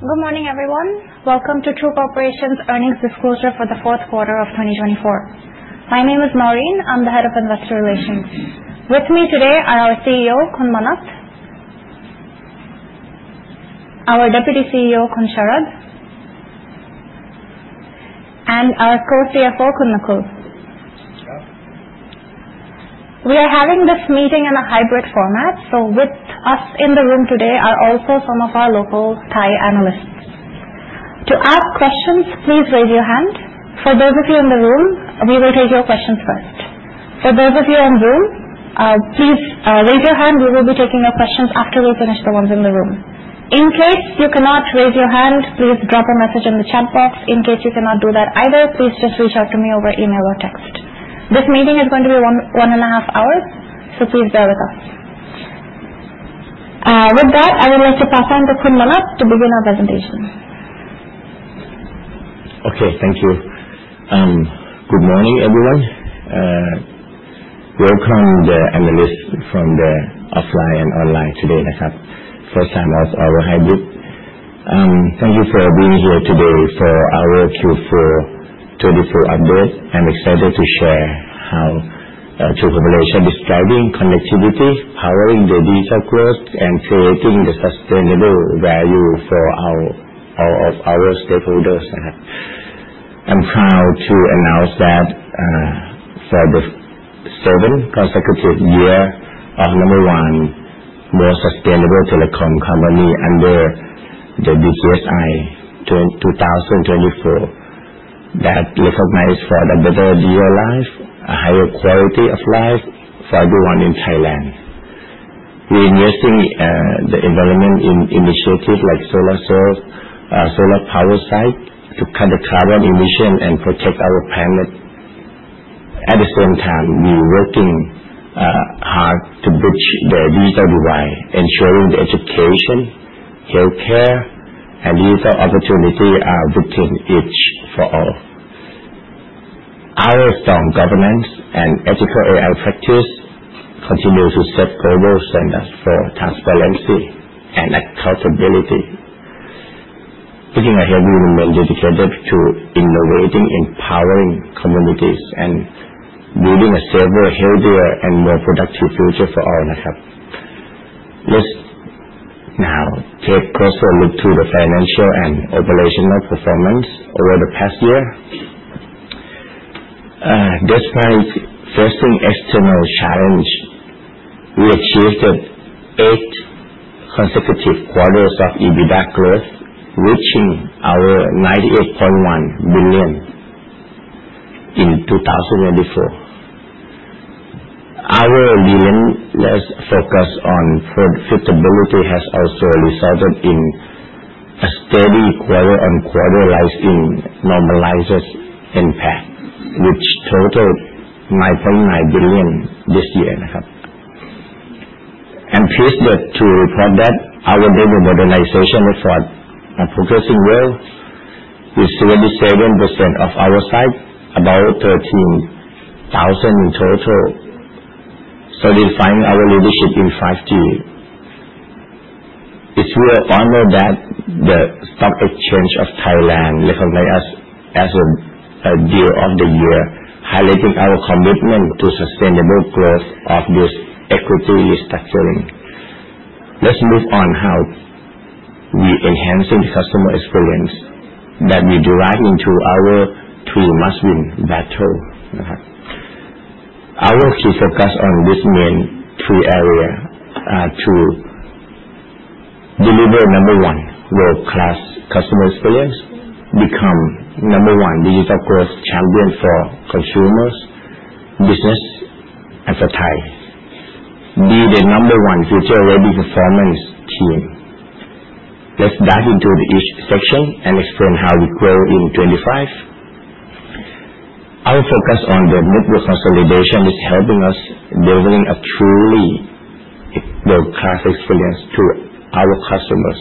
Good morning, everyone. Welcome to True Corporation's earnings disclosure for the fourth quarter of 2024. My name is Naureen. I'm the head of investor relations. With me today are our CEO, Khun Manat, our Deputy CEO, Khun Sharad, and our Co-CFO, Khun Nakul. Good afternoon. We are having this meeting in a hybrid format, so with us in the room today are also some of our local Thai analysts. To ask questions, please raise your hand. For those of you in the room, we will take your questions first. For those of you on Zoom, please raise your hand. We will be taking your questions after we finish the ones in the room. In case you cannot raise your hand, please drop a message in the chat box. In case you cannot do that either, please just reach out to me over email or text. This meeting is going to be one and a half hours, so please bear with us. With that, I would like to pass on to Khun Manat to begin our presentation. Okay, thank you. Good morning, everyone. Welcome the analysts from offline and online today. First time for our hybrid. Thank you for being here today for our Q4 2024 update. I'm excited to share how True Corporation is driving connectivity, powering the digital growth, and creating the sustainable value for all of our stakeholders. I'm proud to announce that for the seventh consecutive year, number one most sustainable telecom company under the DJSI 2024, that's recognized for a better daily life, a higher quality of life for everyone in Thailand. We're investing in environmental initiatives like solar cells, solar power sites to cut carbon emissions and protect our planet. At the same time, we're working hard to bridge the digital divide, ensuring education, healthcare, and digital opportunities are within reach for all. Our strong governance and ethical AI practice continue to set global standards for transparency and accountability. Putting humanity dedicated to innovating, empowering communities, and building a safer, healthier, and more productive future for all. Let's now take a closer look at the financial and operational performance over the past year. Despite facing external challenges, we achieved eight consecutive quarters of EBITDA growth, reaching THB 98.1 billion in 2024. Our relentless focus on profitability has also resulted in a steady quarter-on-quarter rise in normalized EBITDA, which totaled 9.9 billion this year. I'm pleased to report that our data modernization efforts are progressing well, with 77% of our sites, about 13,000 in total, solidifying our leadership in 5G. It's a real honor that the Stock Exchange of Thailand recognized us as a Deal of the Year, highlighting our commitment to sustainable growth in this equity story. Let's move on to how we're enhancing the customer experience that we drive into our three must-win battles. Our key focus on these main three areas is to deliver, number one, world-class customer experience, become number one digital growth champion for consumers, business, and for Thailand, be the number one future-ready performance team. Let's dive into each section and explain how we grow in 2025. Our focus on the network consolidation is helping us deliver a truly world-class experience to our customers.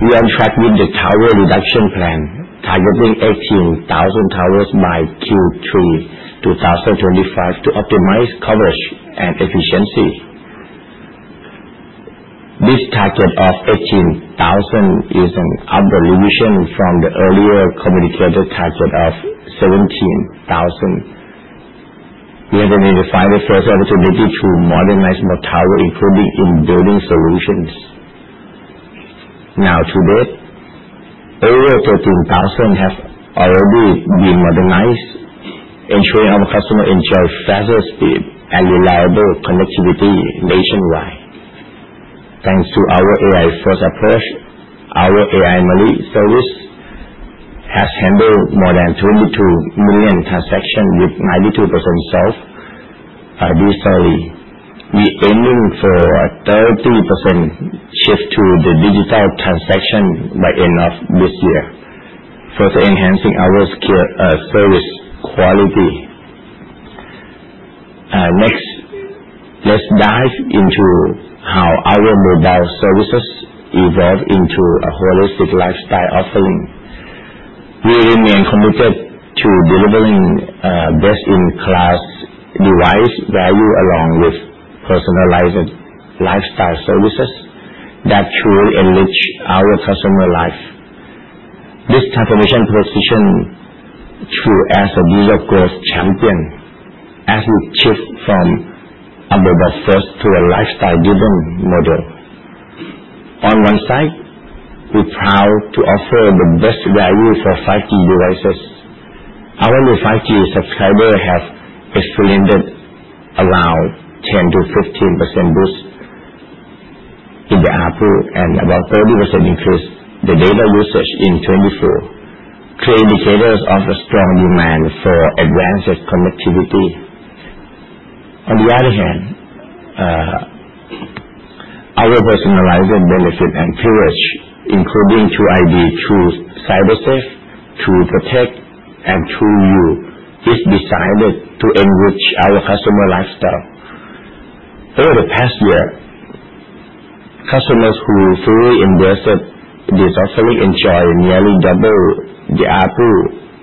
We are tracking the tower reduction plan, targeting 18,000 towers by Q3 2025 to optimize coverage and efficiency. This target of 18,000 is an upward revision from the earlier communicated target of 17,000. We have identified additional opportunities to modernize more towers, including in-building solutions. Now, to date, over 13,000 have already been modernized, ensuring our customers enjoy faster speed and reliable connectivity nationwide. Thanks to our AI-first approach, our AI-Mari service has handled more than 22 million transactions with 92% solved digitally. We're aiming for a 30% shift to the digital transaction by the end of this year, further enhancing our service quality. Next, let's dive into how our mobile services evolve into a holistic lifestyle offering. We remain committed to delivering best-in-class device value along with personalized lifestyle services that truly enrich our customer life. This transformation position should add a digital growth champion as we shift from a mobile-first to a lifestyle-driven model. On one side, we're proud to offer the best value for 5G devices. Our 5G subscribers have experienced around 10%-15% boost in the ARPU and about 30% increase in the data usage in 2024, clear indicators of a strong demand for advanced connectivity. On the other hand, our personalized benefit and privilege, including TrueID, True CyberSafe, True Protect, and TrueYou, is designed to enrich our customer lifestyle. Over the past year, customers who fully embraced this offering enjoy nearly double the ARPU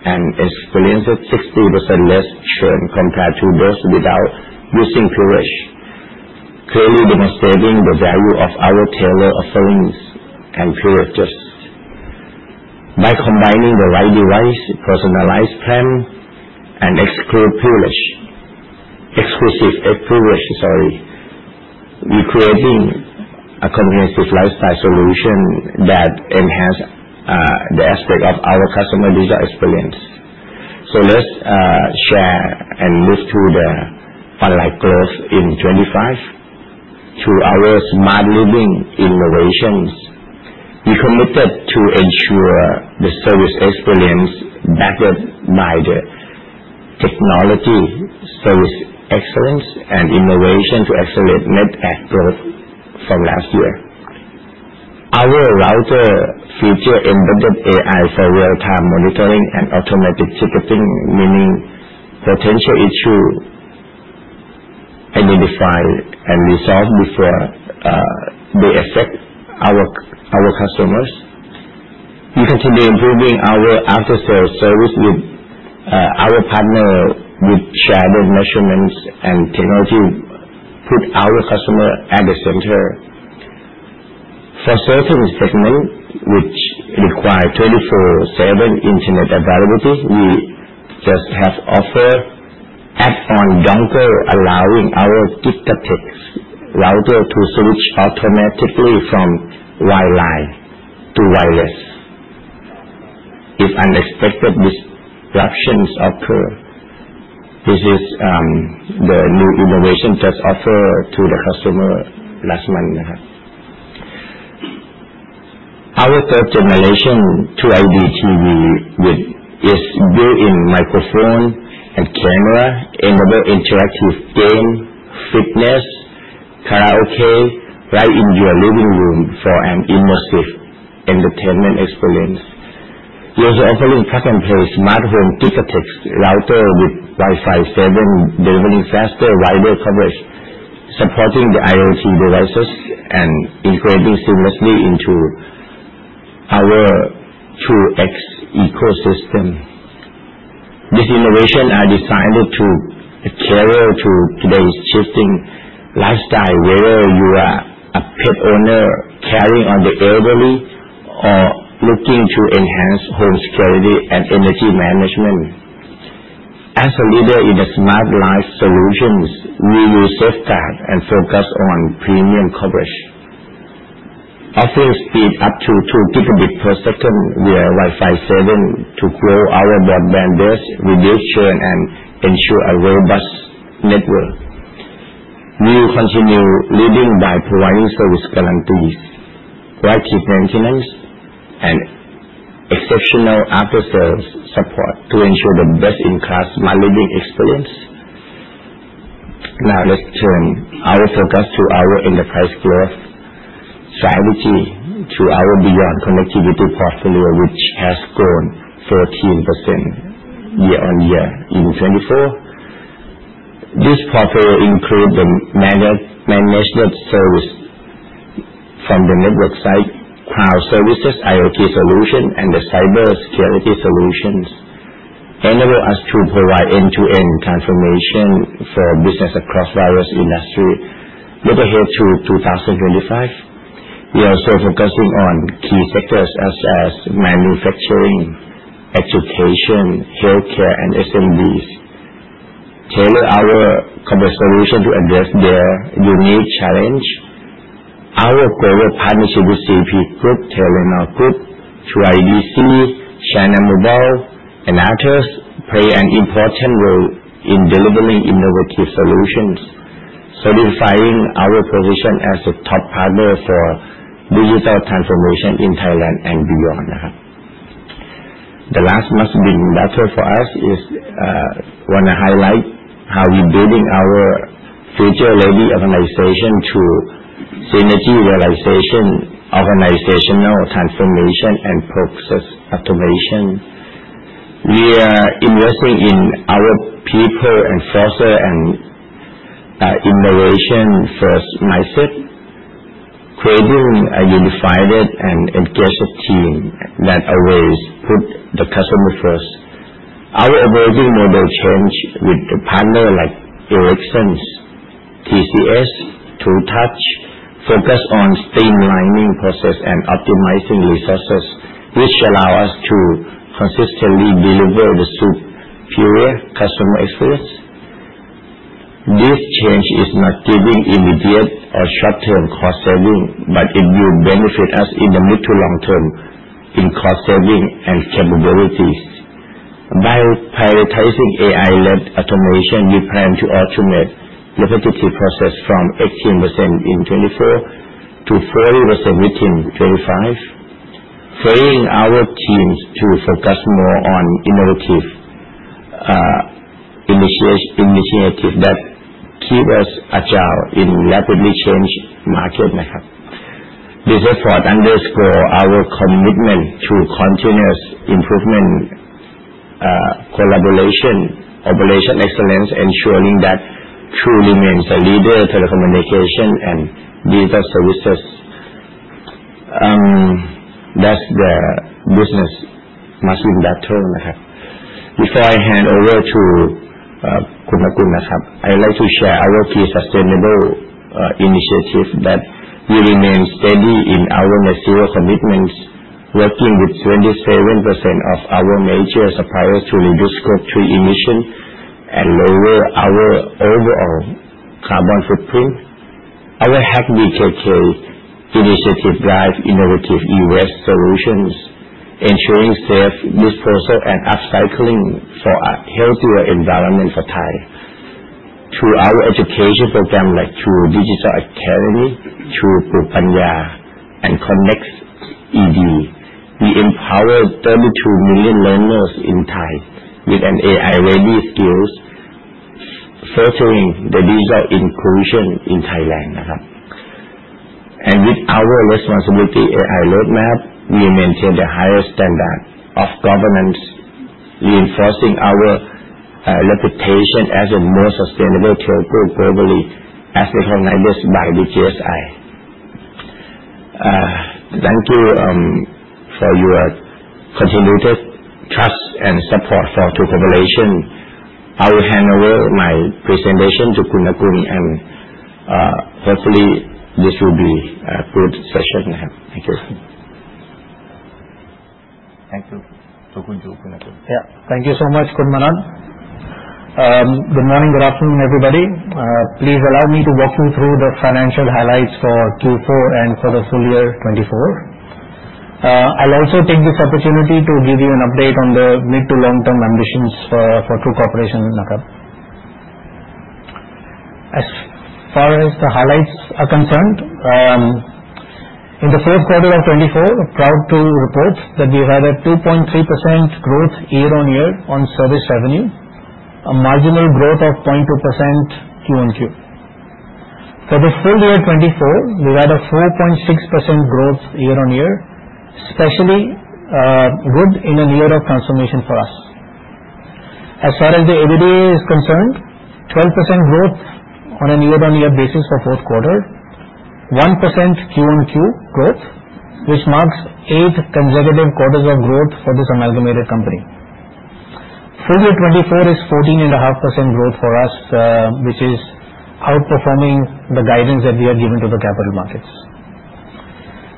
and experience 60% less churn compared to those without using privilege, clearly demonstrating the value of our tailored offerings and privileges. By combining the right device, personalized plan, and exclusive privilege, we're creating a comprehensive lifestyle solution that enhances the aspect of our customer digital experience. So let's share and move to the FunLife growth in 2025 through our smart living innovations. We're committed to ensure the service experience backed by the technology, service excellence, and innovation to accelerate net growth from last year. Our router features embedded AI for real-time monitoring and automatic ticketing, meaning potential issues identified and resolved before they affect our customers. We continue improving our after-sales service with our partner with shared measurements and technology put our customer at the center. For certain segments, which require 24/7 internet availability, we just have offered add-on dongle allowing our Gigatex router to switch automatically from wireline to wireless. If unexpected disruptions occur, this is the new innovation just offered to the customer last month. Our third-generation TrueID TV is built in microphone and camera, enables interactive game, fitness, karaoke, right in your living room for an immersive entertainment experience. We also offer in plug-and-play smart home Gigatex router with Wi-Fi 7, delivering faster wireless coverage, supporting the IoT devices and integrating seamlessly into our TrueX ecosystem. These innovations are designed to cater to today's shifting lifestyle, whether you are a pet owner caring for the elderly or looking to enhance home security and energy management. As a leader in the smart life solutions, we will safeguard and focus on premium coverage. Offering speed up to two gigabits per second via Wi-Fi 7 to grow our broadband base with good churn and ensure a robust network. We will continue leading by providing service guarantees, quality maintenance, and exceptional after-sales support to ensure the best-in-class smart living experience. Now, let's turn our focus to our enterprise growth strategy through our beyond connectivity portfolio, which has grown 14% year-on-year in 2024. This portfolio includes the management service from the network side, cloud services, IoT solutions, and the cybersecurity solutions, enabling us to provide end-to-end transformation for business across various industries with a head to 2025. We are also focusing on key sectors such as manufacturing, education, healthcare, and SMBs. Tailor our solution to address their unique challenge. Our global partnership with CP Group, Telenor Group, TrueIDc, Sharad Mehrotra, and others play an important role in delivering innovative solutions, solidifying our position as a top partner for digital transformation in Thailand and beyond. The last must-win battle for us is, I want to highlight how we're building our future-ready organization through synergy realization, organizational transformation, and process automation. We are investing in our people and fostering an innovation-first mindset, creating a unified and engaged team that always puts the customer first. Our operating model changed with partners like Ericsson, TCS, True Touch, focusing on streamlining processes and optimizing resources, which allows us to consistently deliver the superior customer experience. This change is not giving immediate or short-term cost savings, but it will benefit us in the mid to long term in cost savings and capabilities. By prioritizing AI-led automation, we plan to automate repetitive processes from 18% in 2024 to 40% within 2025, freeing our teams to focus more on innovative initiatives that keep us agile in rapidly changing markets. This effort underscores our commitment to continuous improvement, collaboration, operational excellence, ensuring that True remains a leader in telecommunication and digital services. That's the business must-win battle. Before I hand over to Khun Nakul, I'd like to share our key sustainable initiatives that we remain steady in our net zero commitments, working with 27% of our major suppliers to reduce CO2 emissions and lower our overall carbon footprint. Our HACK BKK initiative drives innovative e-waste solutions, ensuring safe disposal and upcycling for a healthier environment for Thais. Through our education programs like True Digital Academy, TruePlookpanya, and Connext ED, we empower 32 million learners in Thailand with AI-ready skills, fostering digital inclusion in Thailand. With our responsible AI roadmap, we maintain the highest standard of governance, reinforcing our reputation as a more sustainable telco globally, as recognized by the DJSI. Thank you for your continued trust and support for True Corporation. I will hand over my presentation to Khun Nakul, and hopefully this will be a good session. Thank you. Thank you. Thank you so much, Khun Manat. Good morning, good afternoon, everybody. Please allow me to walk you through the financial highlights for Q4 and for the full year 2024. I'll also take this opportunity to give you an update on the mid- to long-term ambitions for True Corporation. As far as the highlights are concerned, in the fourth quarter of 2024, proud to report that we had a 2.3% growth year-on-year on service revenue, a marginal growth of 0.2% QoQ. For the full year 2024, we had a 4.6% growth year-on-year, especially good in a year of transformation for us. As far as the EBITDA is concerned, 12% growth on a year-on-year basis for fourth quarter, 1% QoQ growth, which marks eight consecutive quarters of growth for this amalgamated company. Full year 2024 is 14.5% growth for us, which is outperforming the guidance that we have given to the capital markets.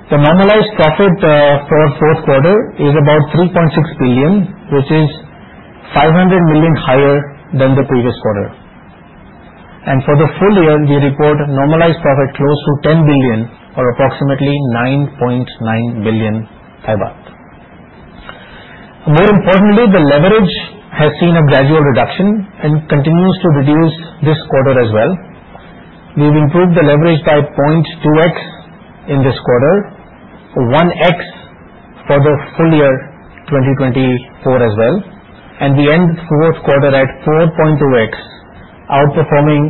The normalized profit for fourth quarter is about 3.6 billion, which 500 million higher than the previous quarter, and for the full year, we report normalized profit close 10 billion, or approximately 9.9 billion baht. More importantly, the leverage has seen a gradual reduction and continues to reduce this quarter as well.billioWe've improved the leverage by 0.2x in this quarter, 1x for the full year 2024 as well, and we end fourth quarter at 4.2x, outperforming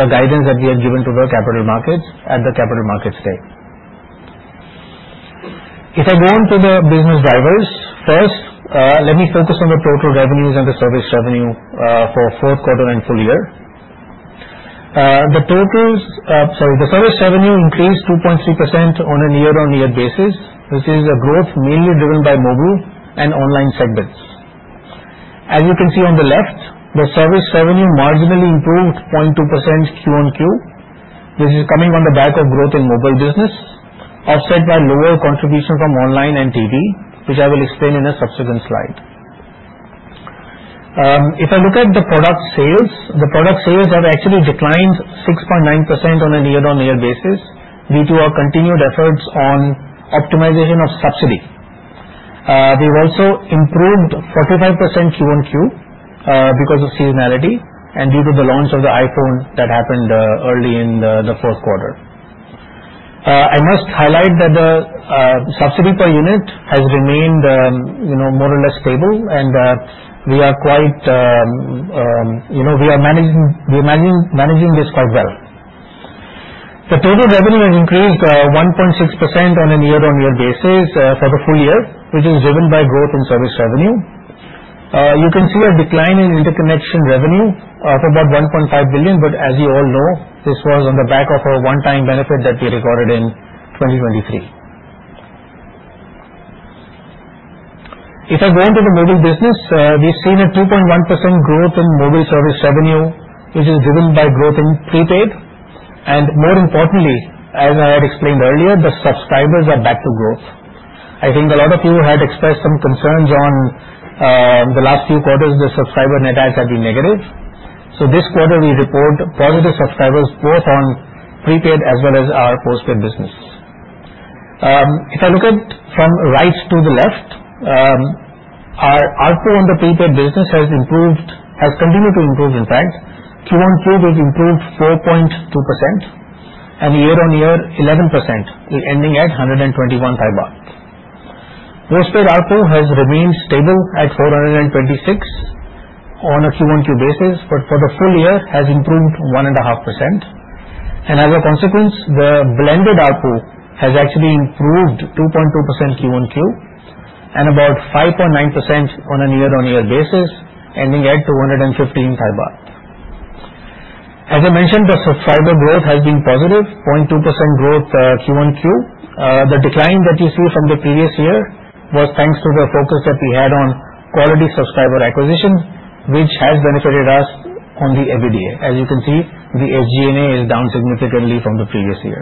the guidance that we have given to the capital markets at the capital markets day. If I go on to the business drivers, first, let me focus on the total revenues and the service revenue for fourth quarter and full year. The service revenue increased 2.3% on a year-on-year basis, which is a growth mainly driven by mobile and online segments. As you can see on the left, the service revenue marginally improved 0.2% QoQ. This is coming on the back of growth in mobile business, offset by lower contribution from online and TV, which I will explain in a subsequent slide. If I look at the product sales, the product sales have actually declined 6.9% on a year-on-year basis due to our continued efforts on optimization of subsidy. We've also improved 45% QoQ because of seasonality and due to the launch of the iPhone that happened early in the fourth quarter. I must highlight that the subsidy per unit has remained more or less stable, and we are quite managing this quite well. The total revenue has increased 1.6% on a year-on-year basis for the full year, which is driven by growth in service revenue. You can see a decline in interconnection revenue of about 1.5 billion, but as you all know, this was on the back of a one-time benefit that we recorded in 2023. If I go on to the mobile business, we've seen a 2.1% growth in mobile service revenue, which is driven by growth in prepaid. And more importantly, as I had explained earlier, the subscribers are back to growth. I think a lot of you had expressed some concerns on the last few quarters. The subscriber net adds have been negative. So this quarter, we report positive subscribers both on prepaid as well as our postpaid business. If I look at from right to the left, our output on the prepaid business has continued to improve, in fact. QoQ, we've improved 4.2%, and year-on-year, 11%, ending at 121 baht. Postpaid output has remained stable at 426 on a QoQ basis, but for the full year, it has improved 1.5%. As a consequence, the blended output has actually improved 2.2% QoQ and about 5.9% on a year-on-year basis, ending at 215. As I mentioned, the subscriber growth has been positive, 0.2% growth QoQ. The decline that you see from the previous year was thanks to the focus that we had on quality subscriber acquisition, which has benefited us on the EBITDA. As you can see, the SG&A is down significantly from the previous year.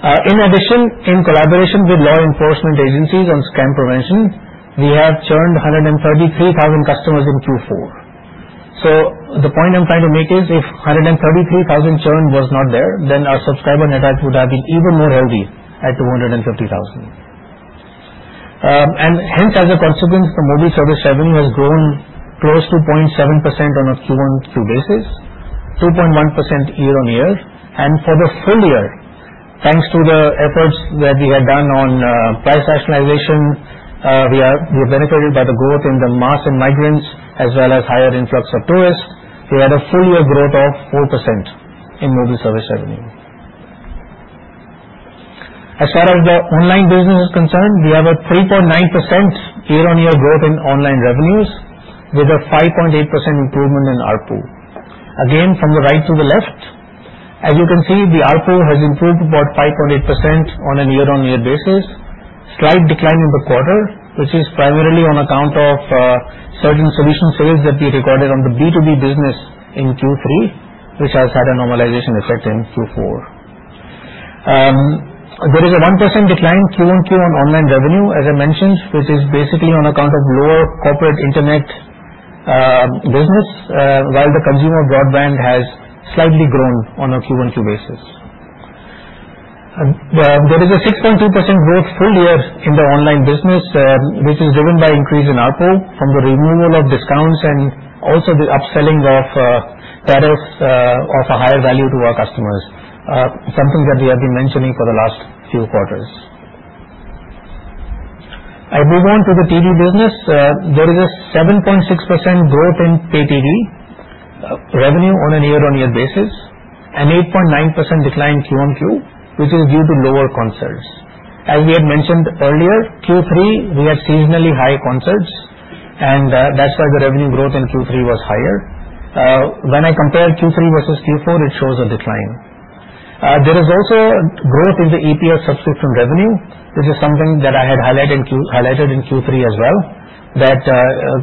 In addition, in collaboration with law enforcement agencies on scam prevention, we have churned 133,000 customers in Q4. The point I'm trying to make is, if 133,000 churn was not there, then our subscriber net adds would have been even more healthy at 250,000. Hence, as a consequence, the mobile service revenue has grown close to 0.7% on a QoQ basis, 2.1% year-on-year. For the full year, thanks to the efforts that we had done on price rationalization, we are benefited by the growth in the mass and migrants as well as higher influx of tourists. We had a full-year growth of 4% in mobile service revenue. As far as the online business is concerned, we have a 3.9% year-on-year growth in online revenues with a 5.8% improvement in output. Again, from the right to the left, as you can see, the output has improved about 5.8% on a year-on-year basis. [There was a] slight decline in the quarter, which is primarily on account of certain solution sales that we recorded on the B2B business in Q3, which has had a normalization effect in Q4. There is a 1% decline QoQ on online revenue, as I mentioned, which is basically on account of lower corporate internet business, while the consumer broadband has slightly grown on a QoQ basis. There is a 6.2% growth full year in the online business, which is driven by increase in output from the removal of discounts and also the upselling of tariffs of a higher value to our customers, something that we have been mentioning for the last few quarters. If we go on to the TV business, there is a 7.6% growth in pay TV revenue on a year-on-year basis and 8.9% decline QoQ, which is due to lower concerts. As we had mentioned earlier, Q3, we had seasonally high concerts, and that's why the revenue growth in Q3 was higher. When I compare Q3 versus Q4, it shows a decline. There is also growth in the EPL subscription revenue, which is something that I had highlighted in Q3 as well, that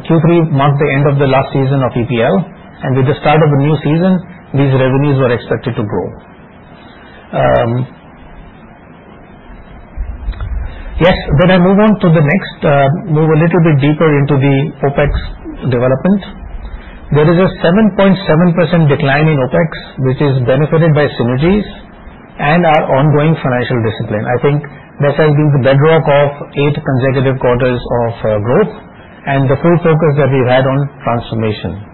Q3 marked the end of the last season of EPL, and with the start of the new season, these revenues were expected to grow. Yes, then I move on to the next, move a little bit deeper into the OpEx development. There is a 7.7% decline in OpEx, which is benefited by synergies and our ongoing financial discipline. I think this has been the bedrock of eight consecutive quarters of growth and the full focus that we've had on transformation.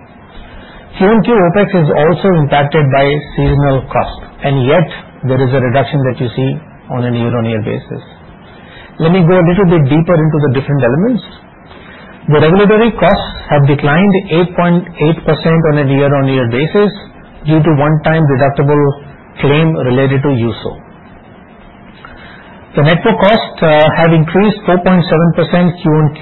QoQ OpEx is also impacted by seasonal cost, and yet there is a reduction that you see on a year-on-year basis. Let me go a little bit deeper into the different elements. The regulatory costs have declined 8.8% on a year-on-year basis due to one-time deductible claim related to USO. The network costs have increased 4.7% QoQ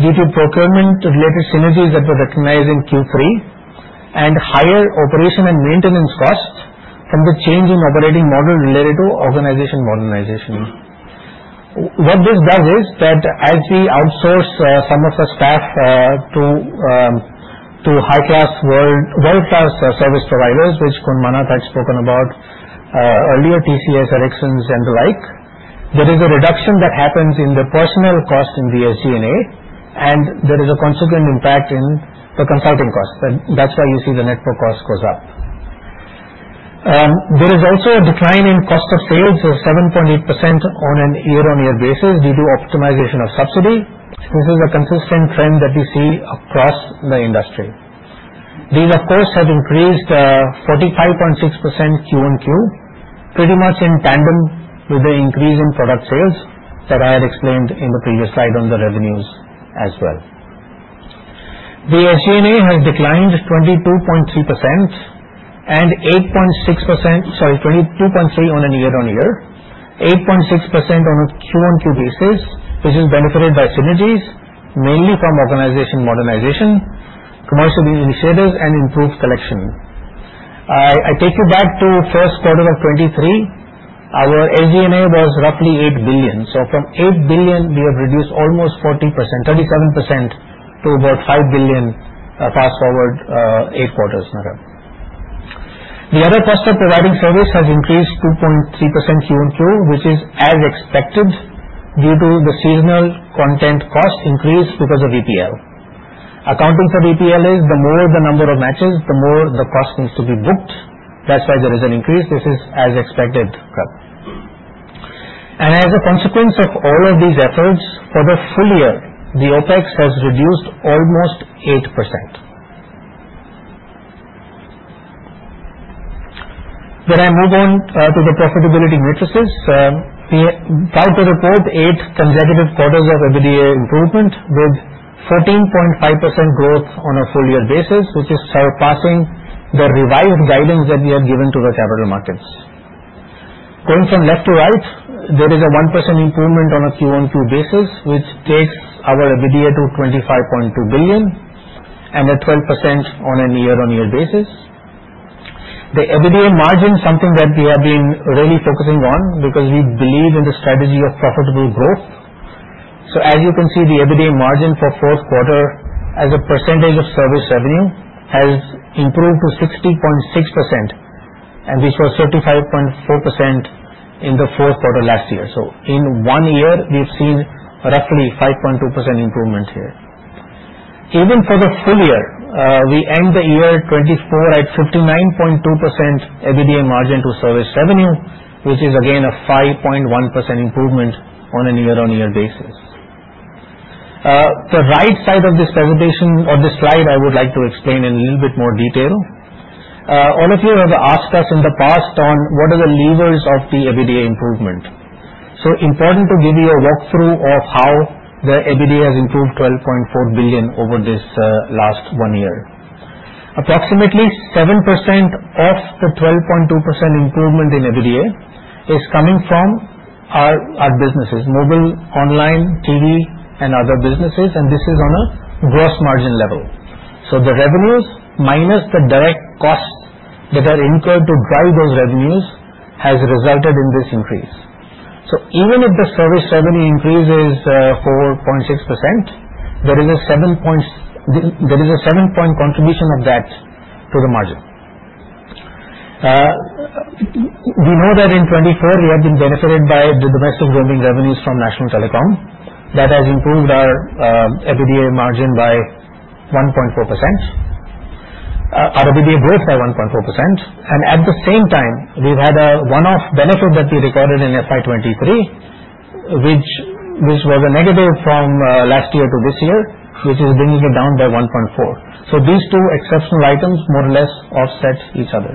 due to procurement-related synergies that were recognized in Q3 and higher operation and maintenance costs from the change in operating model related to organization modernization. What this does is that as we outsource some of the staff to high-class world-class service providers, which Khun Manat had spoken about earlier, TCS, Ericsson, and the like, there is a reduction that happens in the personal cost in the SG&A, and there is a consequent impact in the consulting cost. That's why you see the network cost goes up. There is also a decline in cost of sales, 7.8% on a year-on-year basis due to optimization of subsidy. This is a consistent trend that we see across the industry. These, of course, have increased 45.6% QoQ, pretty much in tandem with the increase in product sales that I had explained in the previous slide on the revenues as well. The SG&A has declined 22.3% and 8.6%, sorry, 22.3% on a year-on-year, 8.6% on a QoQ basis, which is benefited by synergies, mainly from organization modernization, commercial initiatives, and improved collection. I take you back to first quarter of 2023. Our SG&A was roughly 8 billion. So from 8 billion, we have reduced almost 37% to about 5 billion fast forward eight quarters. The other cost of providing service has increased 2.3% QoQ, which is as expected due to the seasonal content cost increase because of EPL. Accounting for EPL is the more the number of matches, the more the cost needs to be booked. That's why there is an increase. This is as expected. As a consequence of all of these efforts, for the full year, the OpEx has reduced almost 8%. Then I move on to the profitability metrics. We're proud to report eight consecutive quarters of EBITDA improvement with 14.5% growth on a full year basis, which is surpassing the revised guidance that we have given to the capital markets. Going from left to right, there is a 1% improvement on a QoQ basis, which takes our EBITDA to 25.2 billion and a 12% on a year-on-year basis. The EBITDA margin is something that we have been really focusing on because we believe in the strategy of profitable growth. So as you can see, the EBITDA margin for fourth quarter as a percentage of service revenue has improved to 60.6%, and this was 35.4% in the fourth quarter last year. So in one year, we've seen roughly 5.2% improvement here. Even for the full year, we end the year 2024 at 59.2% EBITDA margin to service revenue, which is again a 5.1% improvement on a year-on-year basis. The right side of this presentation or this slide, I would like to explain in a little bit more detail. All of you have asked us in the past on what are the levers of the EBITDA improvement. So important to give you a walkthrough of how the EBITDA has improved 12.4 billion over this last one year. Approximately 7% of the 12.2% improvement in EBITDA is coming from our businesses, mobile, online, TV, and other businesses, and this is on a gross margin level. So the revenues minus the direct cost that are incurred to drive those revenues has resulted in this increase. So even if the service revenue increase is 4.6%, there is a 7-point contribution of that to the margin. We know that in 2024, we have been benefited by the domestic roaming revenues from National Telecom. That has improved our EBITDA margin by 1.4%. Our EBITDA growth by 1.4%. And at the same time, we've had a one-off benefit that we recorded in FY 2023, which was a negative from last year to this year, which is bringing it down by 1.4%. So these two exceptional items more or less offset each other.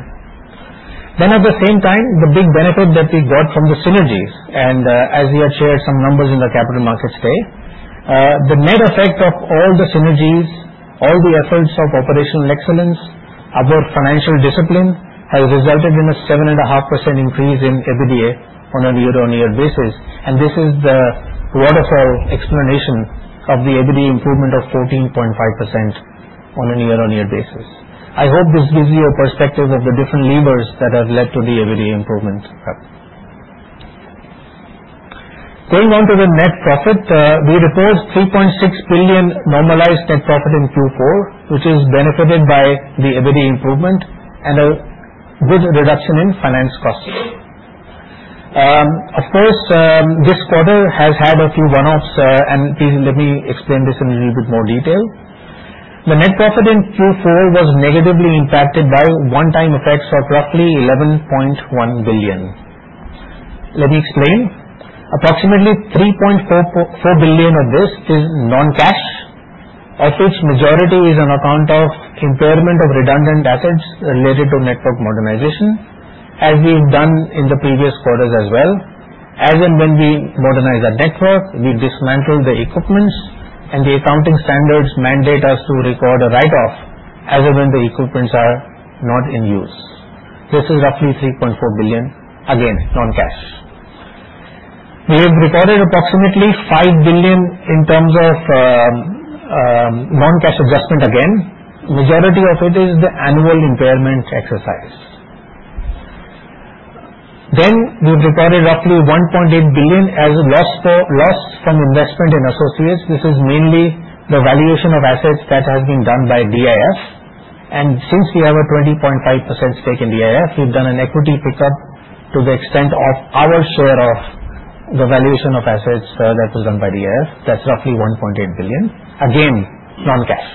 Then at the same time, the big benefit that we got from the synergies, and as we had shared some numbers in the capital markets day, the net effect of all the synergies, all the efforts of operational excellence, our financial discipline has resulted in a 7.5% increase in EBITDA on a year-on-year basis. This is the waterfall explanation of the EBITDA improvement of 14.5% on a year-on-year basis. I hope this gives you a perspective of the different levers that have led to the EBITDA improvement. Going on to the net profit, we report 3.6 billion normalized net profit in Q4, which is benefited by the EBITDA improvement and a good reduction in finance costs. Of course, this quarter has had a few one-offs, and let me explain this in a little bit more detail. The net profit in Q4 was negatively impacted by one-time effects of roughly 11.1 billion. Let me explain. Approximately 3.4 billion of this is non-cash, of which majority is on account of impairment of redundant assets related to network modernization, as we've done in the previous quarters as well. As and when we modernize our network, we dismantle the equipments, and the accounting standards mandate us to record a write-off as and when the equipments are not in use. This is roughly 3.4 billion, again, non-cash. We have recorded approximately 5 billion in terms of non-cash adjustment again. Majority of it is the annual impairment exercise. Then we've recorded roughly 1.8 billion as loss from investment in associates. This is mainly the valuation of assets that has been done by DIF. And since we have a 20.5% stake in DIF, we've done an equity pickup to the extent of our share of the valuation of assets that was done by DIF. That's roughly 1.8 billion, again, non-cash.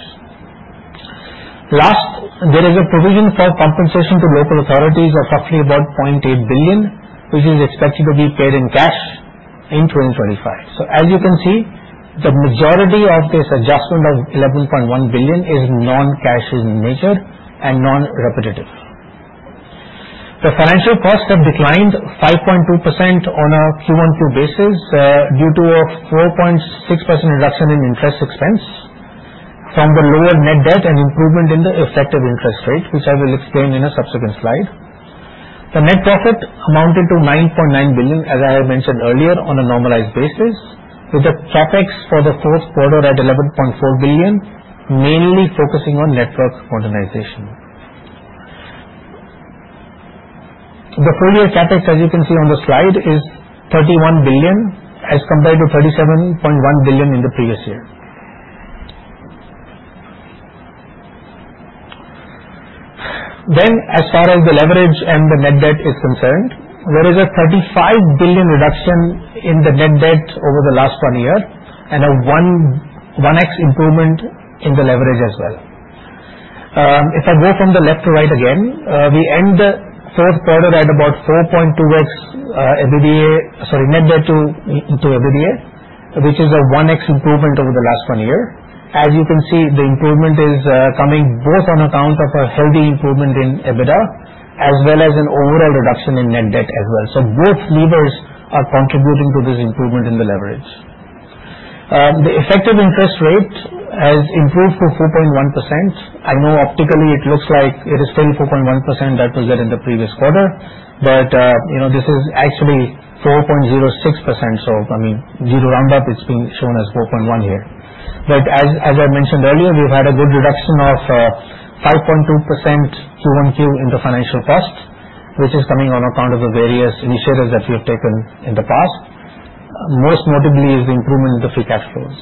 Last, there is a provision for compensation to local authorities of roughly about 0.8 billion, which is expected to be paid in cash in 2025. As you can see, the majority of this adjustment of 11.1 billion is non-cash in nature and non-repetitive. The financial costs have declined 5.2% on a QoQ basis due to a 4.6% reduction in interest expense from the lower net debt and improvement in the effective interest rate, which I will explain in a subsequent slide. The net profit amounted to 9.9 billion, as I had mentioned earlier, on a normalized basis, with the CapEx for the fourth quarter at 11.4 billion, mainly focusing on network modernization. The full year CapEx, as you can see on the slide, is 31 billion as compared to 37.1 billion in the previous year. As far as the leverage and the net debt is concerned, there is a 35 billion reduction in the net debt over the last one year and a 1x improvement in the leverage as well. If I go from the left to right again, we end the fourth quarter at about 4.2x net debt to EBITDA, which is a 1x improvement over the last one year. As you can see, the improvement is coming both on account of a healthy improvement in EBITDA as well as an overall reduction in net debt as well. So both levers are contributing to this improvement in the leverage. The effective interest rate has improved to 4.1%. I know optically it looks like it is still 4.1% that was there in the previous quarter, but this is actually 4.06%. So I mean, zero roundup, it's being shown as 4.1% here. But as I mentioned earlier, we've had a good reduction of 5.2% QoQ in the financial cost, which is coming on account of the various initiatives that we have taken in the past. Most notably, is the improvement in the free cash flows.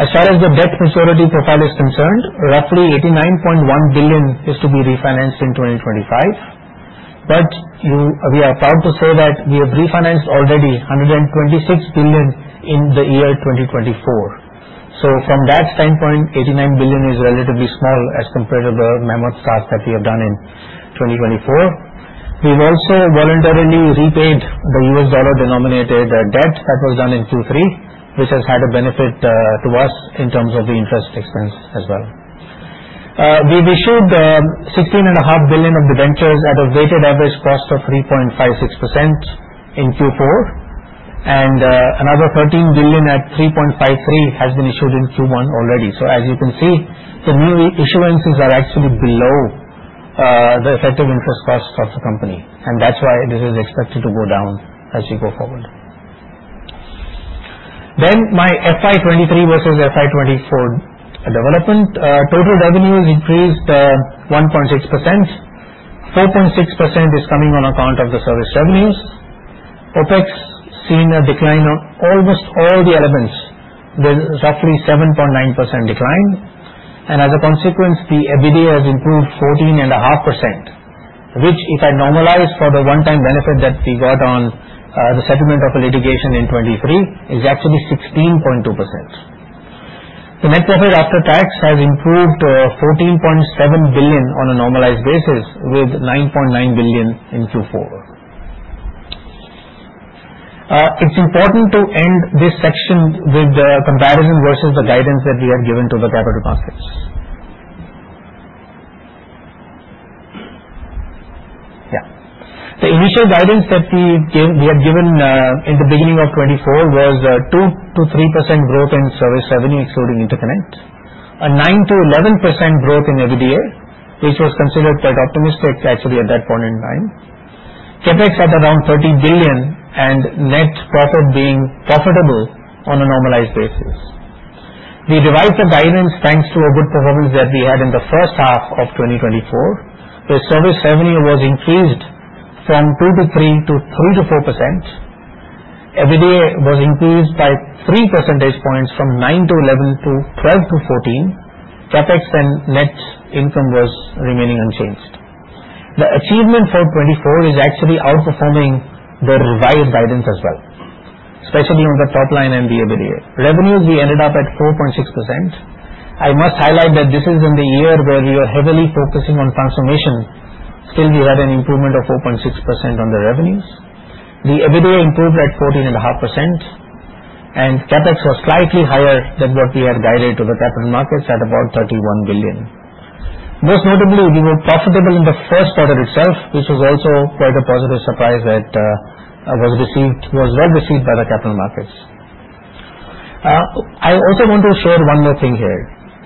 As far as the debt maturity profile is concerned, roughly 89.1 billion is to be refinanced in 2025. But we are proud to say that we have refinanced already 126 billion in the year 2024. So from that standpoint, 89 billion is relatively small as compared to the mammoth stuff that we have done in 2024. We've also voluntarily repaid the US dollar denominated debt that was done in Q3, which has had a benefit to us in terms of the interest expense as well. We've issued 16.5 billion of debentures at a weighted average cost of 3.56% in Q4, and another 13 billion at 3.53% has been issued in Q1 already. So as you can see, the new issuances are actually below the effective interest cost of the company. That's why this is expected to go down as we go forward. My FY23 versus FY24 development. Total revenues increased 1.6%. 4.6% is coming on account of the service revenues. OpEx seen a decline on almost all the elements. There's roughly 7.9% decline. And as a consequence, the EBITDA has improved 14.5%, which if I normalize for the one-time benefit that we got on the settlement of a litigation in 2023, is actually 16.2%. The net profit after tax has improved 14.7 billion on a normalized basis with 9.9 billion in Q4. It's important to end this section with the comparison versus the guidance that we have given to the capital markets. Yeah. The initial guidance that we had given in the beginning of 2024 was 2-3% growth in service revenue, excluding interconnect, a 9-11% growth in EBITDA, which was considered quite optimistic actually at that point in time. CapEx at around 30 billion and net profit being profitable on a normalized basis. We revise the guidance thanks to a good performance that we had in the first half of 2024. The service revenue was increased from 2%-3% to 3-4%. EBITDA was increased by 3 percentage points from 9-11% to 12-14%. CapEx and net income was remaining unchanged. The achievement for 2024 is actually outperforming the revised guidance as well, especially on the top line and the EBITDA. Revenues we ended up at 4.6%. I must highlight that this is in the year where we are heavily focusing on transformation. Still, we had an improvement of 4.6% on the revenues. The EBITDA improved at 14.5%, and CapEx was slightly higher than what we had guided to the capital markets at about 31 billion. Most notably, we were profitable in the first quarter itself, which was also quite a positive surprise that was well received by the capital markets. I also want to share one more thing here.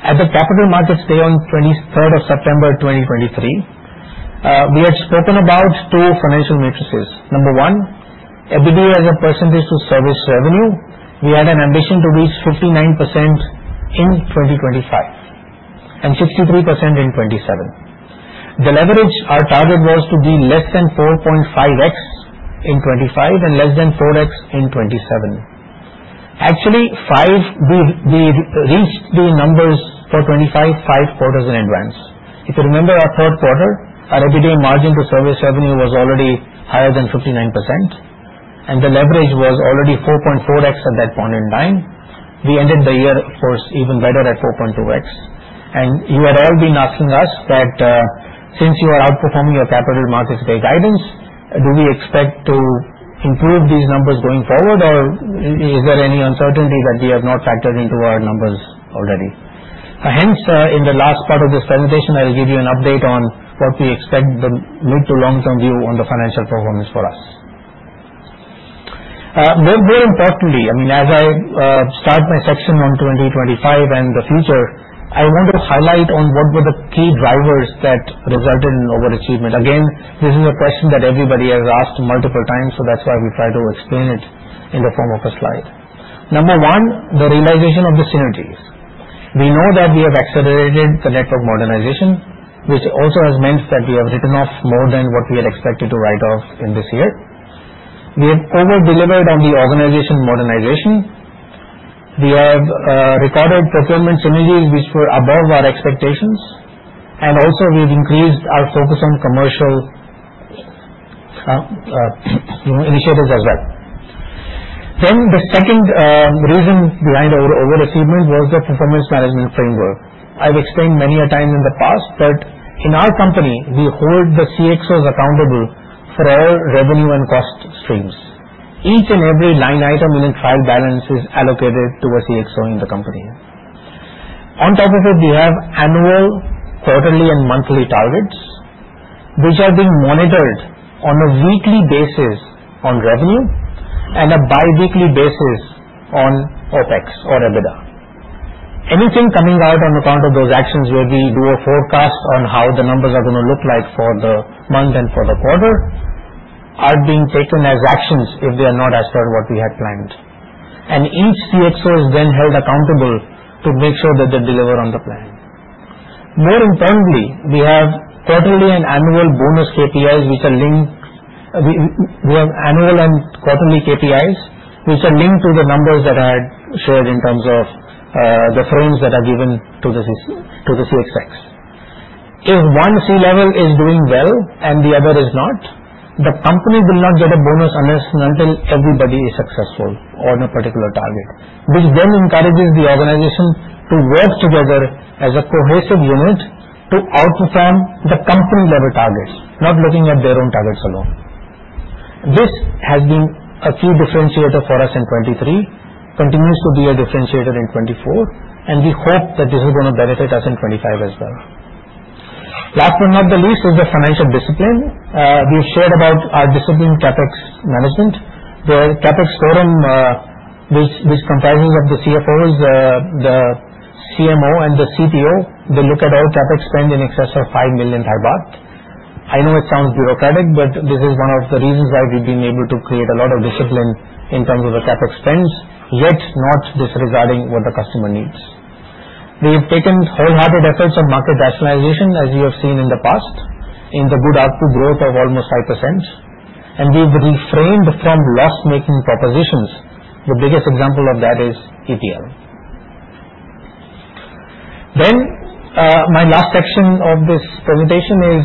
At the capital markets day on 23rd of September 2023, we had spoken about two financial metrics. Number one, EBITDA as a percentage to service revenue. We had an ambition to reach 59% in 2025 and 63% in 2027. The leverage, our target was to be less than 4.5x in 2025 and less than 4x in 2027. Actually, we reached the numbers for 2025 five quarters in advance. If you remember our third quarter, our EBITDA margin to service revenue was already higher than 59%, and the leverage was already 4.4x at that point in time. We ended the year, of course, even better at 4.2x. You had all been asking us that since you are outperforming your capital markets day guidance, do we expect to improve these numbers going forward, or is there any uncertainty that we have not factored into our numbers already? Hence, in the last part of this presentation, I will give you an update on what we expect the mid- to long-term view on the financial performance for us. More importantly, I mean, as I start my section on 2025 and the future, I want to highlight on what were the key drivers that resulted in overachievement. Again, this is a question that everybody has asked multiple times, so that's why we try to explain it in the form of a slide. One, the realization of the synergies. We know that we have accelerated the network modernization, which also has meant that we have written off more than what we had expected to write off in this year. We have over-delivered on the organization modernization. We have recorded performance synergies, which were above our expectations. And also, we have increased our focus on commercial initiatives as well. Then the second reason behind overachievement was the performance management framework. I've explained many a time in the past, but in our company, we hold the CXOs accountable for all revenue and cost streams. Each and every line item in a trial balance is allocated to a CXO in the company. On top of it, we have annual, quarterly, and monthly targets, which are being monitored on a weekly basis on revenue and a biweekly basis on OpEx or EBITDA. Anything coming out on account of those actions where we do a forecast on how the numbers are going to look like for the month and for the quarter are being taken as actions if they are not as per what we had planned. And each CXO is then held accountable to make sure that they deliver on the plan. More importantly, we have quarterly and annual bonus KPIs, which are linked to the annual and quarterly KPIs, which are linked to the numbers that I had shared in terms of the frames that are given to the CXO. If one C-level is doing well and the other is not, the company will not get a bonus unless and until everybody is successful on a particular target, which then encourages the organization to work together as a cohesive unit to outperform the company-level targets, not looking at their own targets alone. This has been a key differentiator for us in 2023, continues to be a differentiator in 2024, and we hope that this is going to benefit us in 2025 as well. Last but not the least is the financial discipline. We've shared about our discipline, CapEx management, where CapEx forum, which comprises of the CFOs, the CMO, and the CTO, they look at all CapEx spend in excess of 5 million baht. I know it sounds bureaucratic, but this is one of the reasons why we've been able to create a lot of discipline in terms of the CapEx spends, yet not disregarding what the customer needs. We have taken wholehearted efforts on market nationalization, as you have seen in the past, in the good output growth of almost 5%, and we've refrained from loss-making propositions. The biggest example of that is EPL. Then my last section of this presentation is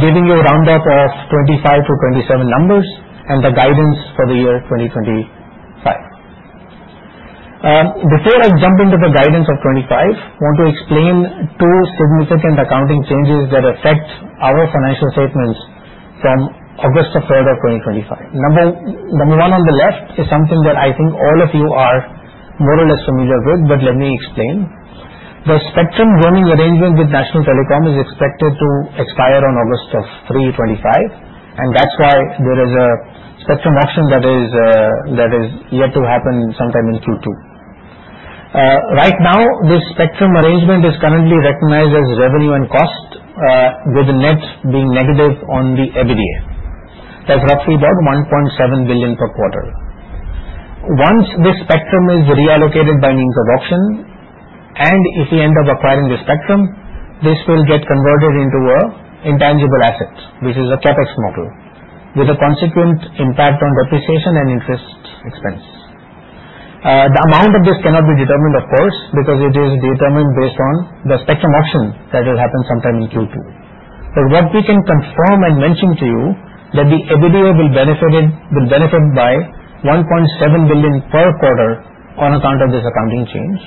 giving you a roundup of 2025 to 2027 numbers and the guidance for the year 2025. Before I jump into the guidance of 2025, I want to explain two significant accounting changes that affect our financial statements from August 3rd of 2025. Number one on the left is something that I think all of you are more or less familiar with, but let me explain. The spectrum roaming arrangement with National Telecom is expected to expire on August 3, 2025, and that's why there is a spectrum auction that is yet to happen sometime in Q2. Right now, this spectrum arrangement is currently recognized as revenue and cost, with the net being negative on the EBITDA. That's roughly 1.7 billion per quarter. Once this spectrum is reallocated by means of auction, and if we end up acquiring the spectrum, this will get converted into an intangible asset, which is a CapEx model, with a consequent impact on depreciation and interest expense. The amount of this cannot be determined, of course, because it is determined based on the spectrum auction that will happen sometime in Q2. But what we can confirm and mention to you is that the EBITDA will benefit 1.7 billion per quarter on account of this accounting change.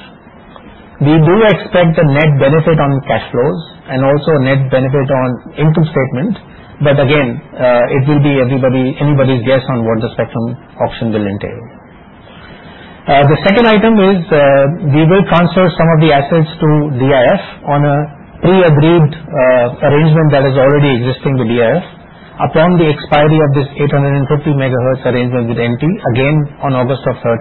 We do expect the net benefit on cash flows and also net benefit on income statement, but again, it will be anybody's guess on what the spectrum auction will entail. The second item is we will transfer some of the assets to DIF on a pre-agreed arrangement that is already existing with DIF upon the expiry of this 850 megahertz arrangement with NT, again on August 3rd,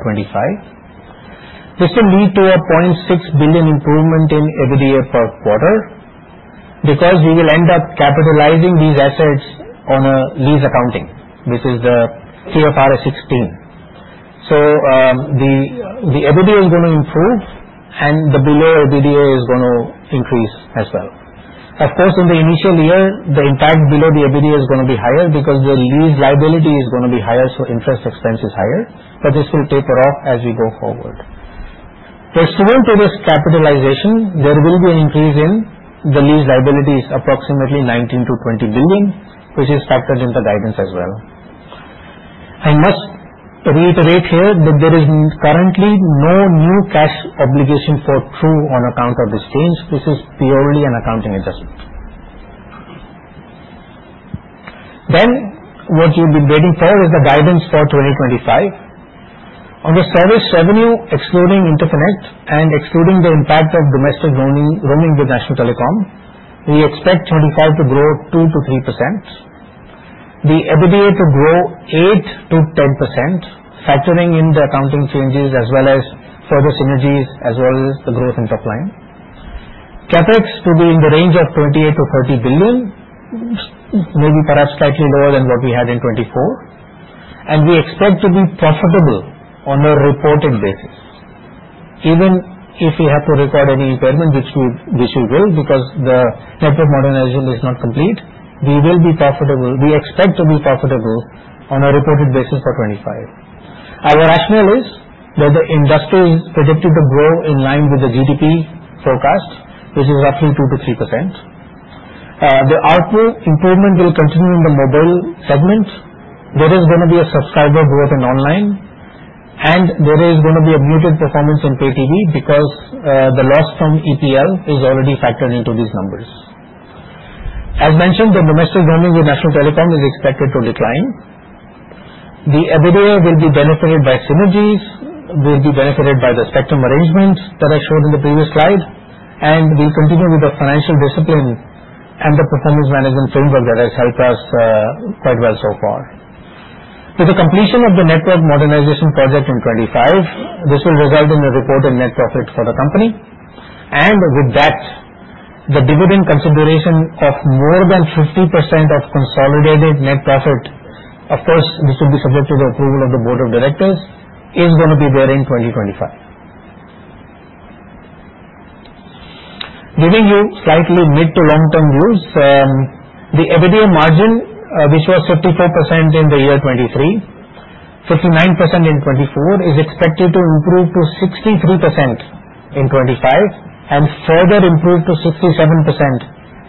2025. This will lead to a 0.6 billion improvement in EBITDA per quarter because we will end up capitalizing these assets on a lease accounting, which is the TFRS 16. So the EBITDA is going to improve, and the below EBITDA is going to increase as well. Of course, in the initial year, the impact below the EBITDA is going to be higher because the lease liability is going to be higher, so interest expense is higher, but this will taper off as we go forward. Pursuant to this capitalization, there will be an increase in the lease liabilities, approximately 19-20 billion, which is factored into the guidance as well. I must reiterate here that there is currently no new cash obligation for True on account of this change. This is purely an accounting adjustment. Then what you've been waiting for is the guidance for 2025. On the service revenue, excluding interconnect and excluding the impact of domestic roaming with National Telecom, we expect 2025 to grow 2%-3%, the enterprise to grow 8%-10%, factoring in the accounting changes as well as further synergies as well as the growth in top line. CapEx will be in the range of 28 billion-30 billion, maybe perhaps slightly lower than what we had in 2024, and we expect to be profitable on a reported basis. Even if we have to record any impairment, which we will because the network modernization is not complete, we will be profitable. We expect to be profitable on a reported basis for 2025. Our rationale is that the industry is predicted to grow in line with the GDP forecast, which is roughly 2%-3%. The output improvement will continue in the mobile segment. There is going to be a subscriber growth in online, and there is going to be a muted performance in pay TV because the loss from EPL is already factored into these numbers. As mentioned, the domestic roaming with National Telecom is expected to decline. The EBITDA will be benefited by synergies. We'll be benefited by the spectrum arrangements that I showed in the previous slide, and we'll continue with the financial discipline and the performance management framework that has helped us quite well so far. With the completion of the network modernization project in 2025, this will result in a reported net profit for the company. With that, the dividend consideration of more than 50% of consolidated net profit, of course, which will be subject to the approval of the board of directors, is going to be there in 2025. Giving you slightly mid- to long-term views, the EBITDA margin, which was 54% in the year 2023, 59% in 2024, is expected to improve to 63% in 2025 and further improve to 67%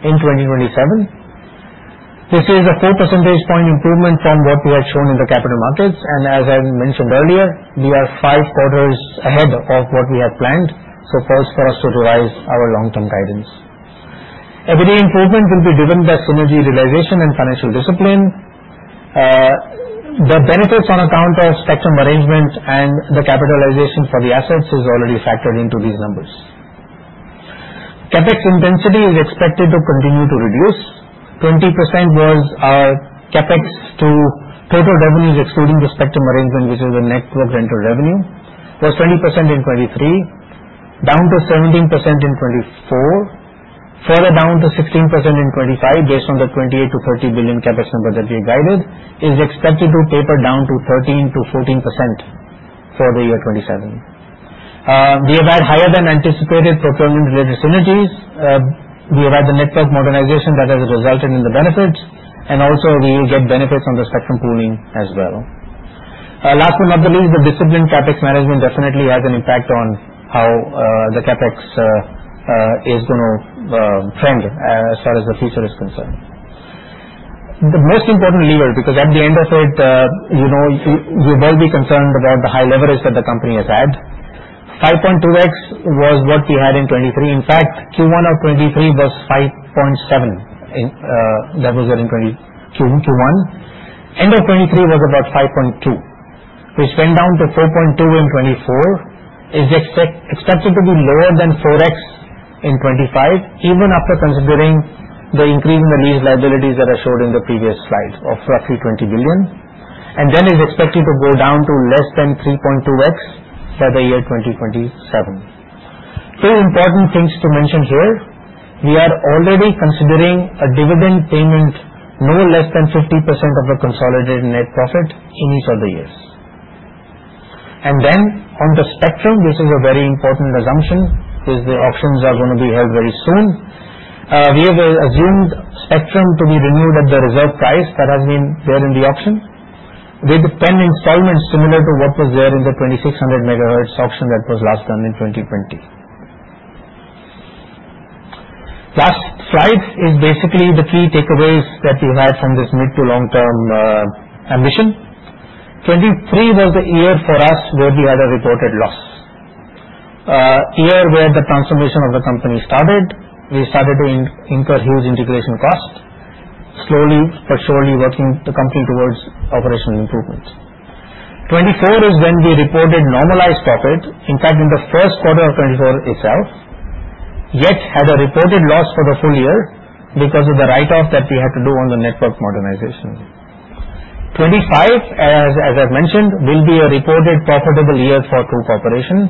in 2027. This is a 4 percentage point improvement from what we had shown in the capital markets. And as I mentioned earlier, we are five quarters ahead of what we had planned, so this for us to revise our long-term guidance. EBITDA improvement will be driven by synergy realization and financial discipline. The benefits on account of spectrum arrangement and the capitalization for the assets is already factored into these numbers. CapEx intensity is expected to continue to reduce. 20% was our CapEx to total revenues, excluding the spectrum arrangement, which is the network rental revenue, was 20% in 2023, down to 17% in 2024, further down to 28 billion-30 billion capex number that we have guided, is expected to taper down to 13%-14% for the year 2027. We have had higher than anticipated procurement-related synergies. We have had the network modernization that has resulted in the benefits, and also we will get benefits on the spectrum pooling as well. Last but not the least, the disciplined CapEx management definitely has an impact on how the CapEx is going to trend as far as the future is concerned. The most important lever, because at the end of it, you will be concerned about the high leverage that the company has had. 5.2x was what we had in 2023. In fact, Q1 of 2023 was 5.7. That was in Q1. End of 2023 was about 5.2, which went down to 4.2 in 2024. It's expected to be lower than 4x in 2025, even after considering the increase in the lease liabilities that I showed in the previous slide of roughly 20 billion. And then it's expected to go down to less than 3.2x by the year 2027. Two important things to mention here. We are already considering a dividend payment no less than 50% of the consolidated net profit in each of the years. And then on the spectrum, this is a very important assumption, which is the auctions are going to be held very soon. We have assumed spectrum to be renewed at the reserve price that has been there in the auction, with 10 installments similar to what was there in the 2600 megahertz auction that was last done in 2020. Last slide is basically the key takeaways that we've had from this mid- to long-term ambition. 2023 was the year for us where we had a reported loss. Year where the transformation of the company started. We started to incur huge integration cost, slowly but surely working the company towards operational improvements. 2024 is when we reported normalized profit. In fact, in the first quarter of 2024 itself, yet had a reported loss for the full year because of the write-off that we had to do on the network modernization. 2025, as I've mentioned, will be a reported profitable year for True Corporation,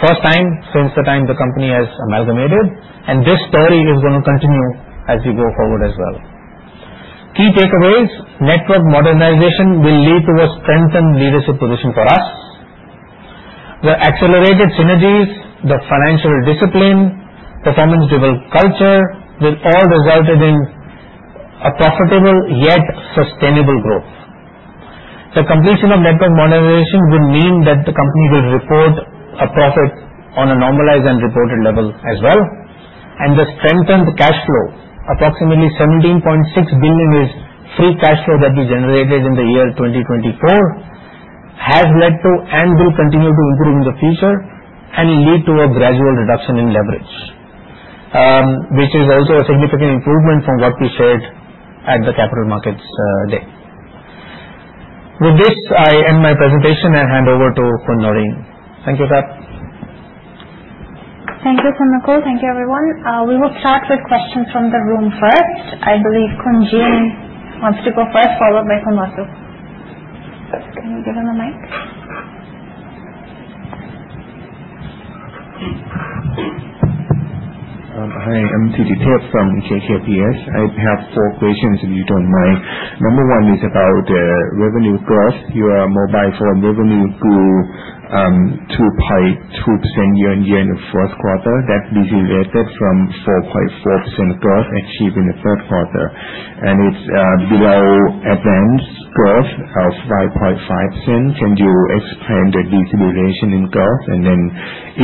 first time since the time the company has amalgamated, and this story is going to continue as we go forward as well. Key takeaways: network modernization will lead to a strengthened leadership position for us. The accelerated synergies, the financial discipline, performance-driven culture will all result in a profitable yet sustainable growth. The completion of network modernization will mean that the company will report a profit on a normalized and reported level as well, and the strengthened cash flow, approximately 17.6 billion free cash flow that we generated in the year 2024, has led to and will continue to improve in the future and lead to a gradual reduction in leverage, which is also a significant improvement from what we shared at the capital markets day. With this, I end my presentation and hand over to Khun Naureen. Thank you, sir. Thank you, Nakul. Thank you, everyone. We will start with questions from the room first. I believe Khun Jin wants to go first, followed by Khun Wasu. Can you give him a mic? Hi, I'm Thitithep from KKPS. I have four questions, if you don't mind. Number one is about revenue growth. Your mobile revenue grew 2.2% year on year in the fourth quarter. That deviated from 4.4% growth achieved in the third quarter. And it's below Advanced growth of 5.5%. Can you explain the deviation in growth? And then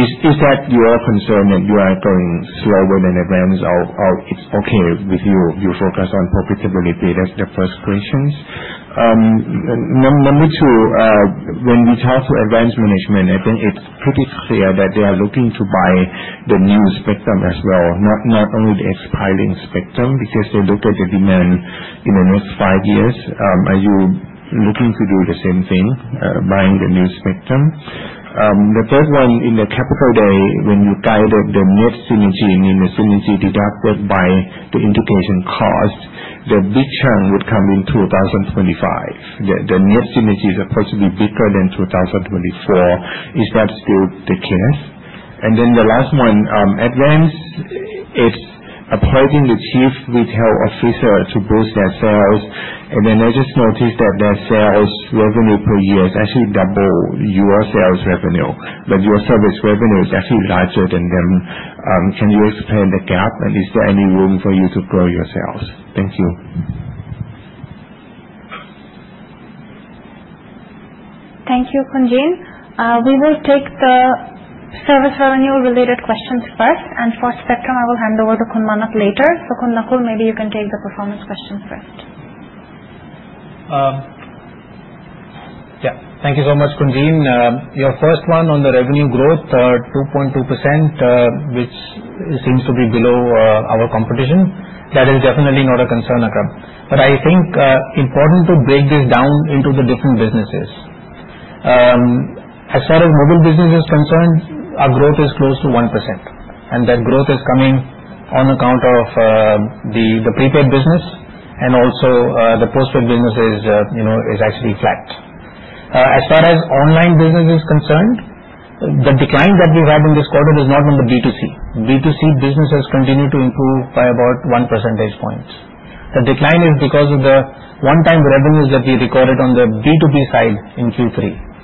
is that your concern that you are going slower than Advanced or it's okay with you? You focus on profitability. That's the first question. Number two, when we talk to Advanced management, I think it's pretty clear that they are looking to buy the new spectrum as well, not only the expiring spectrum, because they look at the demand in the next five years. Are you looking to do the same thing, buying the new spectrum? The third one, in the capital day, when you guided the net synergy, meaning the synergy deducted by the integration cost, the big churn would come in 2025. The net synergy is supposed to be bigger than 2024. Is that still the case? And then the last one, Advanced, it's appointing the Chief Retail Officer to boost their sales. And then I just noticed that their sales revenue per year is actually double your sales revenue, but your service revenue is actually larger than them. Can you explain the gap, and is there any room for you to grow your sales? Thank you. Thank you, Khun Jin. We will take the service revenue-related questions first. For spectrum, I will hand over to Khun Manat later. Khun Nakul, maybe you can take the performance question first. Yeah. Thank you so much, Khun Jin. Your first one on the revenue growth, 2.2%, which seems to be below our competition. That is definitely not a concern, at all. I think it is important to break this down into the different businesses. As far as mobile business is concerned, our growth is close to 1%. That growth is coming on account of the prepaid business, and also the postpaid business is actually flat. As far as online business is concerned, the decline that we've had in this quarter is not on the B2C. B2C business has continued to improve by about one percentage point. The decline is because of the one-time revenues that we recorded on the B2B side in Q3.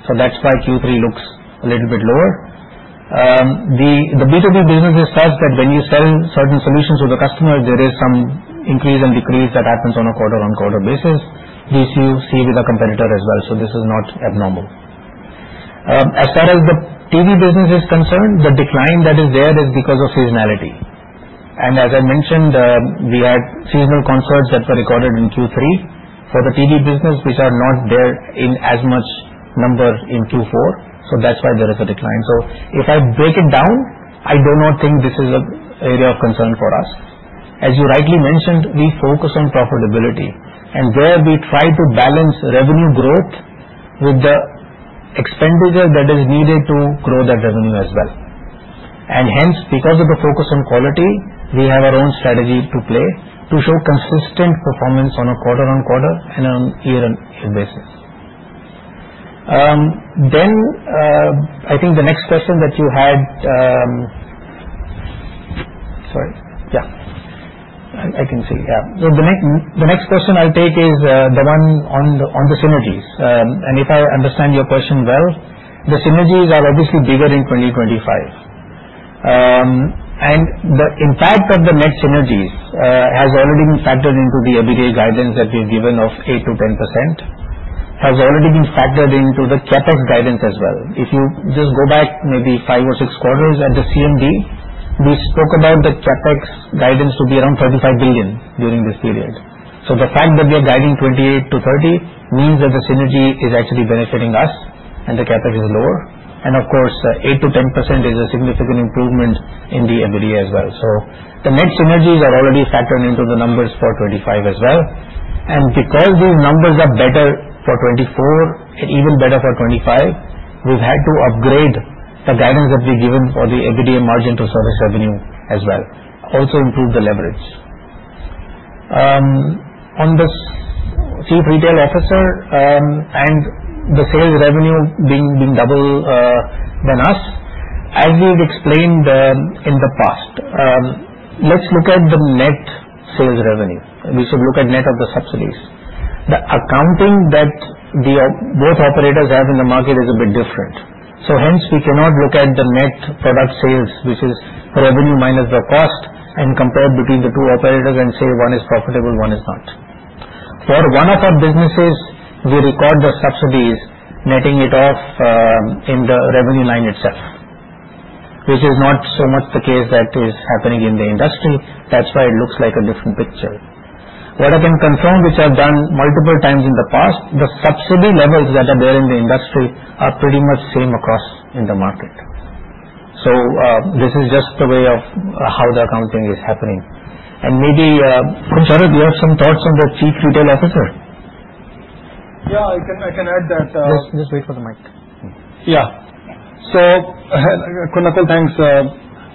So that's why Q3 looks a little bit lower. The B2B business is such that when you sell certain solutions to the customer, there is some increase and decrease that happens on a quarter-on-quarter basis. This you see with a competitor as well. So this is not abnormal. As far as the TV business is concerned, the decline that is there is because of seasonality. And as I mentioned, we had seasonal concerts that were recorded in Q3 for the TV business, which are not there in as much number in Q4. So that's why there is a decline. So if I break it down, I do not think this is an area of concern for us. As you rightly mentioned, we focus on profitability, and there we try to balance revenue growth with the expenditure that is needed to grow that revenue as well. And hence, because of the focus on quality, we have our own strategy to play to show consistent performance on a quarter-on-quarter and on year-on-year basis, then I think the next question that you had, sorry. Yeah. I can see. Yeah, so the next question I'll take is the one on the synergies. And if I understand your question well, the synergies are obviously bigger in 2025. And the impact of the net synergies has already been factored into the EBITDA guidance that we've given of 8%-10%, has already been factored into the CapEx guidance as well. If you just go back maybe five or six quarters at the CMD, we spoke about the CapEx guidance to be around 35 billion during this period. So the fact that we are guiding 28-30 billion means that the synergy is actually benefiting us, and the CapEx is lower. And of course, 8%-10% is a significant improvement in the EBITDA as well. So the net synergies are already factored into the numbers for 2025 as well. And because these numbers are better for 2024 and even better for 2025, we've had to upgrade the guidance that we've given for the EBITDA margin to service revenue as well, also improve the leverage. On the Chief Retail Officer and the sales revenue being double than us, as we've explained in the past, let's look at the net sales revenue. We should look at net of the subsidies. The accounting that both operators have in the market is a bit different. So hence, we cannot look at the net product sales, which is revenue minus the cost, and compare between the two operators and say one is profitable, one is not. For one of our businesses, we record the subsidies, netting it off in the revenue line itself, which is not so much the case that is happening in the industry. That's why it looks like a different picture. What I can confirm, which I've done multiple times in the past, the subsidy levels that are there in the industry are pretty much same across in the market. So this is just the way of how the accounting is happening, and maybe, Khun Sharad, you have some thoughts on the chief retail officer. Yeah. I can add that. Just wait for the mic. Yeah, so Khun Nakul, thanks.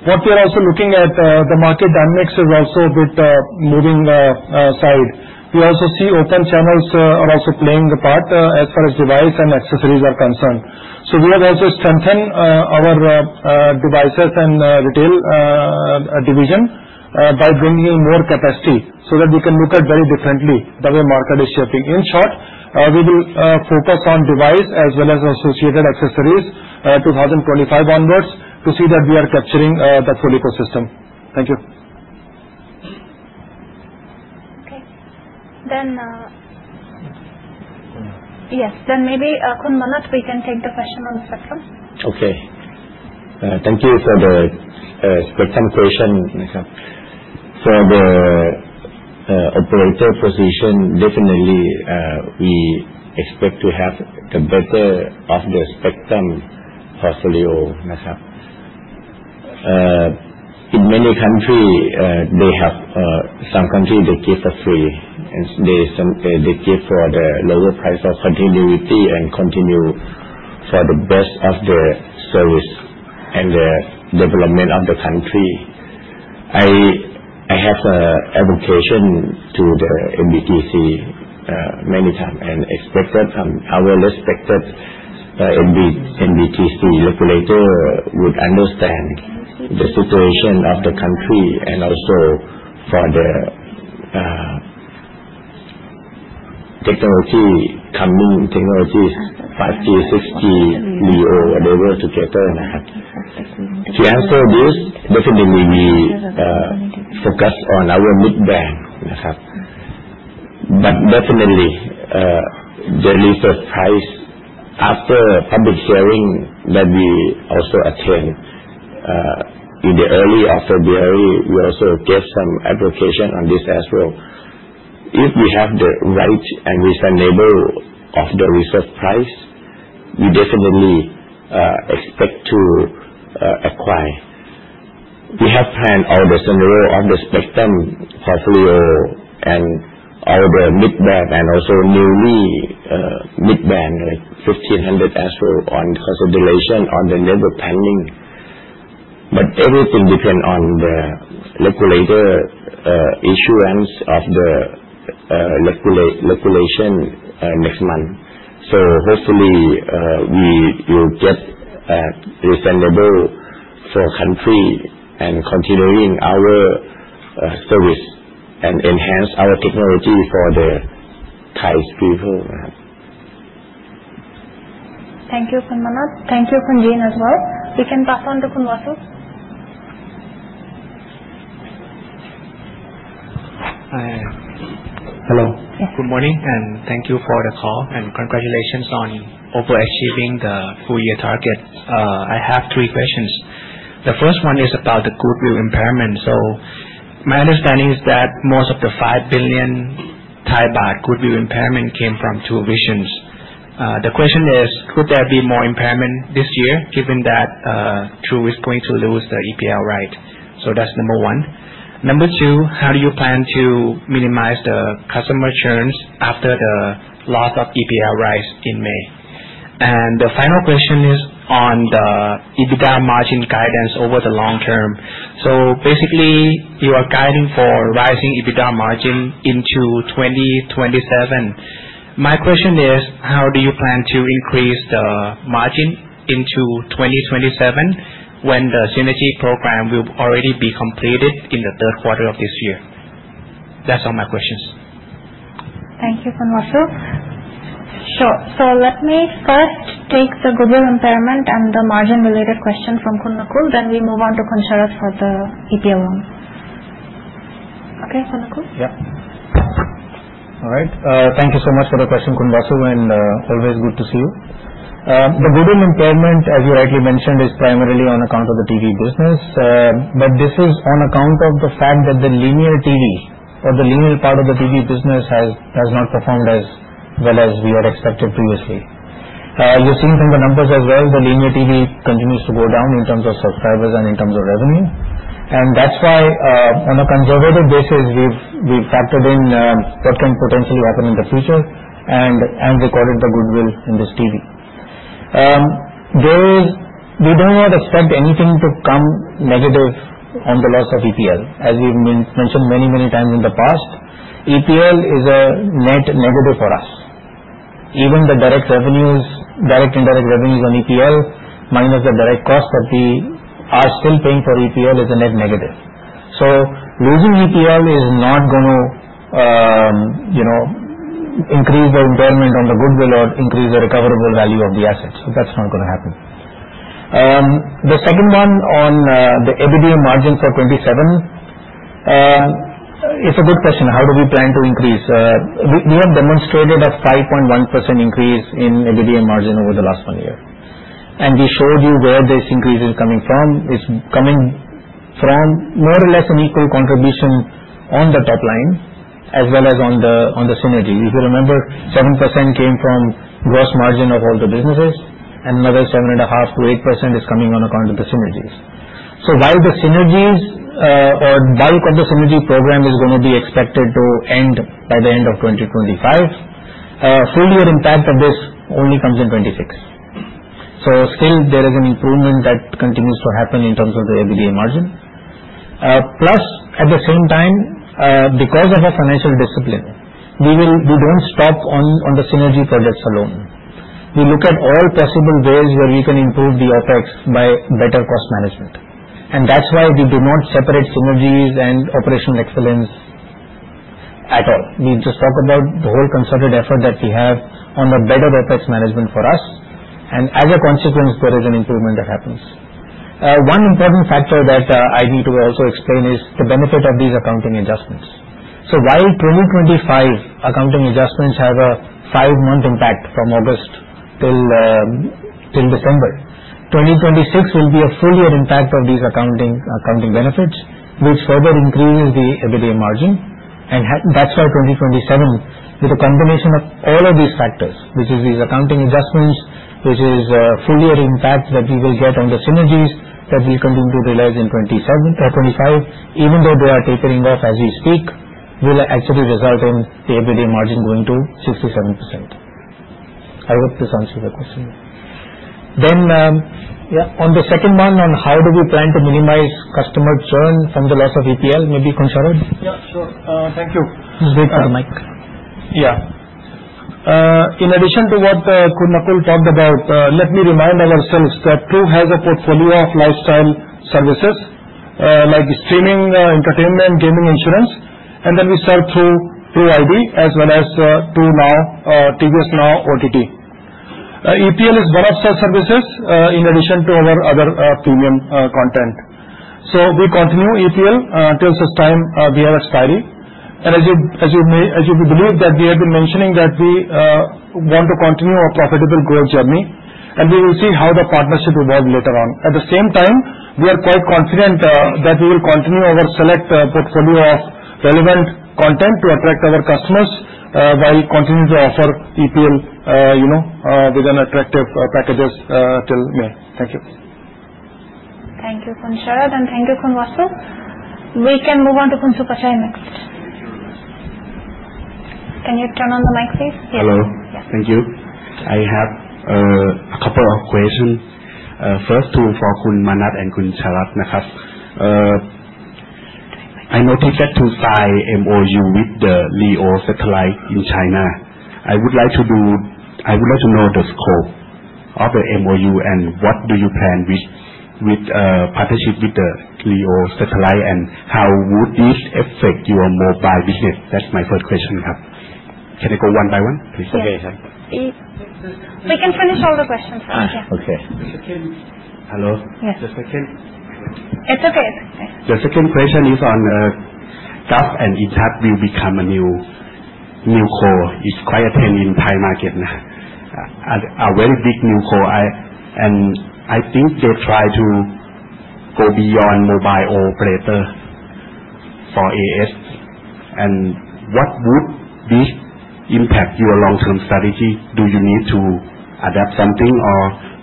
What we are also looking at, the market dynamics is also a bit moving aside. We also see open channels are also playing a part as far as device and accessories are concerned. So we have also strengthened our devices and retail division by bringing in more capacity so that we can look at very differently the way market is shaping. In short, we will focus on device as well as associated accessories 2025 onwards to see that we are capturing the full ecosystem. Thank you. Okay. Then yes. Then maybe Khun Manat, we can take the question on the spectrum. Okay. Thank you for the spectrum question. For the operator position, definitely we expect to have the better of the spectrum portfolio. In many countries, they have some countries they give for free. They give for the lower price of continuity and continue for the best of the service and the development of the country. I have advocated to the NBTC many times and expect that our respected NBTC regulator would understand the situation of the country and also for the technology coming, technologies 5G, 6G, whatever together. To answer this, definitely we focus on our mid-band. But definitely, the reserve price after public hearing that we also attended in early February, we also gave some advocacy on this as well. If we have the right and reasonable reserve price, we definitely expect to acquire. We have planned all the scenarios of the spectrum portfolio and all the mid-band and also new mid-band, like 1500 as well under consideration on the whatever pending. But everything depends on the regulator issuance of the regulation next month. So hopefully, we will get reasonable for country and continuing our service and enhance our technology for the Thai people. Thank you, Khun Manat. Thank you, Khun Jin as well. We can pass on to Khun Wasu. Hi. Hello. Good morning. And thank you for the call and congratulations on overachieving the full-year target. I have three questions. The first one is about the goodwill impairment. So my understanding is that most of the 5 billion baht goodwill impairment came from TrueVisions. The question is, could there be more impairment this year given that True is going to lose the EPL right? So that's number one. Number two, how do you plan to minimize the customer churns after the loss of EPL rights in May? And the final question is on the EBITDA margin guidance over the long term. So basically, you are guiding for rising EBITDA margin into 2027. My question is, how do you plan to increase the margin into 2027 when the synergy program will already be completed in the third quarter of this year? That's all my questions. Thank you, Khun Wasu. Sure. So let me first take the goodwill impairment and the margin-related question from Khun Nakul, then we move on to Khun Sharad for the EPL loss. Okay, Khun Nakul? Yep. All right. Thank you so much for the question, Khun Wasu, and always good to see you. The goodwill impairment, as you rightly mentioned, is primarily on account of the TV business. But this is on account of the fact that the linear TV or the linear part of the TV business has not performed as well as we had expected previously. You've seen from the numbers as well, the linear TV continues to go down in terms of subscribers and in terms of revenue, and that's why on a conservative basis, we've factored in what can potentially happen in the future and recorded the goodwill in this TV. We do not expect anything to come negative on the loss of EPL. As we've mentioned many, many times in the past, EPL is a net negative for us. Even the direct revenues, direct and direct revenues on EPL, minus the direct cost that we are still paying for EPL is a net negative, so losing EPL is not going to increase the impairment on the goodwill or increase the recoverable value of the assets, so that's not going to happen. The second one on the EBITDA margin for 2027, it's a good question. How do we plan to increase? We have demonstrated a 5.1% increase in EBITDA margin over the last one year. And we showed you where this increase is coming from. It's coming from more or less an equal contribution on the top line as well as on the synergies. If you remember, 7% came from gross margin of all the businesses, and another 7.5%-8% is coming on account of the synergies. So while the synergies or bulk of the synergy program is going to be expected to end by the end of 2025, full-year impact of this only comes in 2026. So still, there is an improvement that continues to happen in terms of the EBITDA margin. Plus, at the same time, because of our financial discipline, we don't stop on the synergy projects alone. We look at all possible ways where we can improve the OpEx by better cost management. That's why we do not separate synergies and operational excellence at all. We just talk about the whole concerted effort that we have on the better OpEx management for us. As a consequence, there is an improvement that happens. One important factor that I need to also explain is the benefit of these accounting adjustments. While 2025 accounting adjustments have a five-month impact from August till December, 2026 will be a full-year impact of these accounting benefits, which further increases the EBITDA margin. That's why 2027, with a combination of all of these factors, which is these accounting adjustments, which is a full-year impact that we will get on the synergies that will continue to realize in 2025, even though they are tapering off as we speak, will actually result in the EBITDA margin going to 67%. I hope this answers your question. Then, on the second one, on how do we plan to minimize customer churn from the loss of EPL, maybe Khun Sharad? Yeah, sure. Thank you. Just wait for the mic. Yeah. In addition to what Khun Nakul talked about, let me remind ourselves that True has a portfolio of lifestyle services like streaming, entertainment, gaming, insurance, and then we sell through TrueID as well as True Now, TVS Now, OTT. EPL is one such service in addition to our other premium content so we continue EPL till such time we have expiry, and as you believe that we have been mentioning that we want to continue our profitable growth journey, and we will see how the partnership evolves later on. At the same time, we are quite confident that we will continue our select portfolio of relevant content to attract our customers while continuing to offer EPL with an attractive package till May. Thank you. Thank you, Khun Sharad, and thank you, Khun Wasu. We can move on to Khun Supachai next. Can you turn on the mic, please? Hello. Thank you. I have a couple of questions. First, for Khun Manat and Khun Sharad. I noticed that True has MOU with the LEO satellite in China. I would like to know the scope of the MOU and what do you plan with partnership with the LEO satellite and how would this affect your mobile business? That's my first question. Can I go one by one? Okay. We can finish all the questions. Okay. Hello. It's okay. The second question is on Gulf and Intouch will become a new core. It's quite a thing in Thai market. A very big new core. And I think they try to go beyond mobile operator for AIS. And what would this impact your long-term strategy? Do you need to adapt something or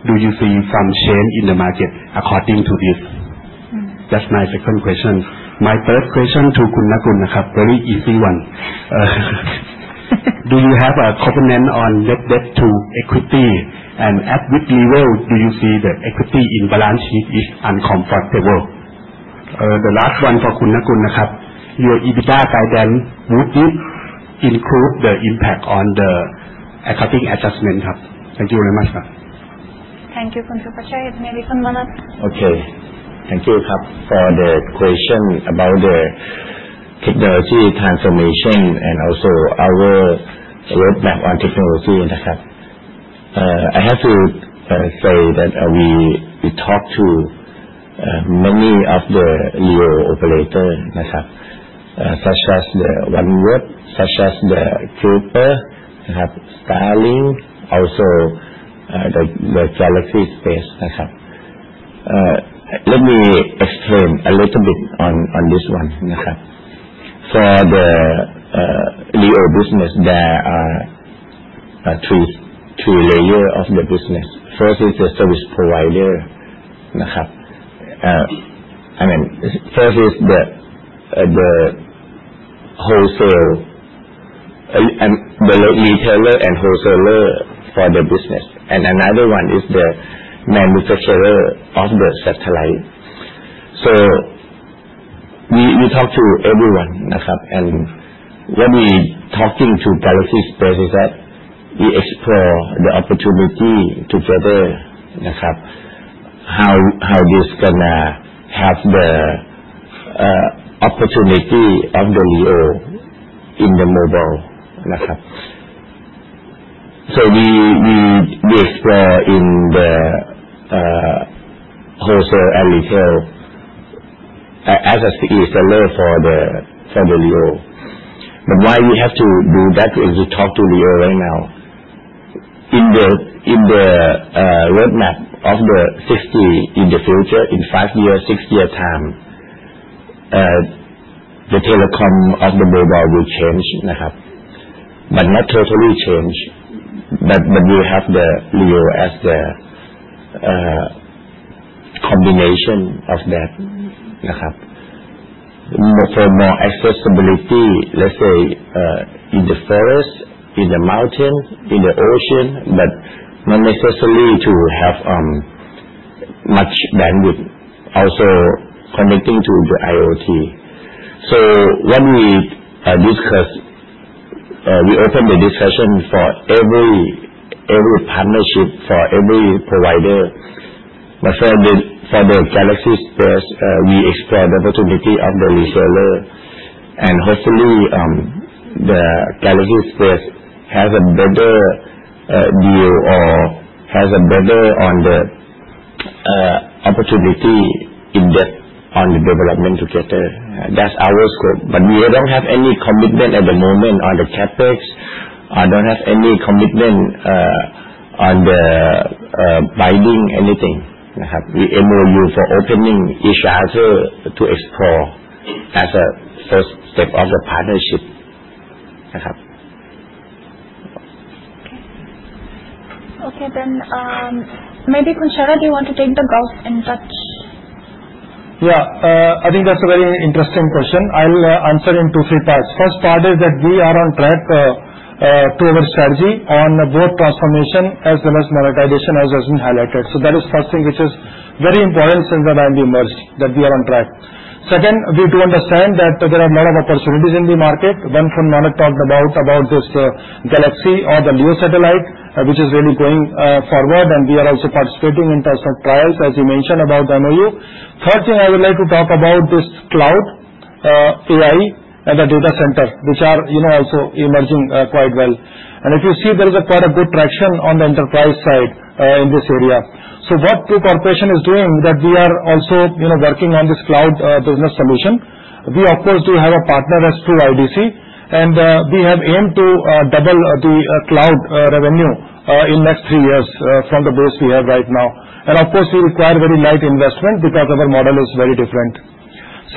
do you see some change in the market according to this? That's my second question. My third question to Khun Nakul is a very easy one. Do you have a component on net debt to equity? And at which level do you see the equity imbalance is uncomfortable? The last one for Khun Nakul is your EBITDA guidance. Would this include the impact on the accounting adjustment? Thank you very much. Thank you, Khun Supachai. Maybe Khun Manat. Okay. Thank you for the question about the technology transformation and also our roadmap on technology. I have to say that we talked to many of the LEO operators such as the OneWeb, such as Project Kuiper, Starlink, also the GalaxySpace. Let me explain a little bit on this one. For the LEO business, there are three layers of the business. First is the service provider. I mean, first is the wholesale, the retailer and wholesaler for the business. Another one is the manufacturer of the satellite. So we talked to everyone. And when we talked to GalaxySpace, we explored the opportunity together how this can have the opportunity of the LEO in the mobile. So we explored in the wholesale and retail as a seller for the LEO. But why we have to do that is we talked to LEO right now. In the roadmap of the 5G in the future, in five years, six years' time, the telecom of the mobile will change but not totally change. But we have the LEO as the combination of that. For more accessibility, let's say in the forest, in the mountain, in the ocean, but not necessarily to have much bandwidth, also connecting to the IoT. So when we discuss, we open the discussion for every partnership, for every provider. But for the GalaxySpace, we explored the opportunity of the reseller, and hopefully, the GalaxySpace has a better deal or has a better opportunity in depth on the development together. That's our scope, but we don't have any commitment at the moment on the CapEx. I don't have any commitment on the binding anything. We MOU for opening each other to explore as a first step of the partnership. Okay. Okay. Then maybe Khun Sharad, do you want to take the Gulf Intouch? Yeah. I think that's a very interesting question. I'll answer in two or three parts. First part is that we are on track towards strategy on both transformation as well as monetization, as has been highlighted. So that is the first thing which is very important since the time we merged, that we are on track. Second, we do understand that there are a lot of opportunities in the market. When Khun Manat talked about this Galaxy or the LEO satellite, which is really going forward, and we are also participating in terms of trials, as you mentioned about the MOU. Third thing I would like to talk about is cloud, AI, and the data center, which are also emerging quite well. If you see, there is quite a good traction on the enterprise side in this area. So what True Corporation is doing is that we are also working on this cloud business solution. We, of course, do have a partner as TrueIDc, and we have aimed to double the cloud revenue in the next three years from the base we have right now. Of course, we require very light investment because our model is very different.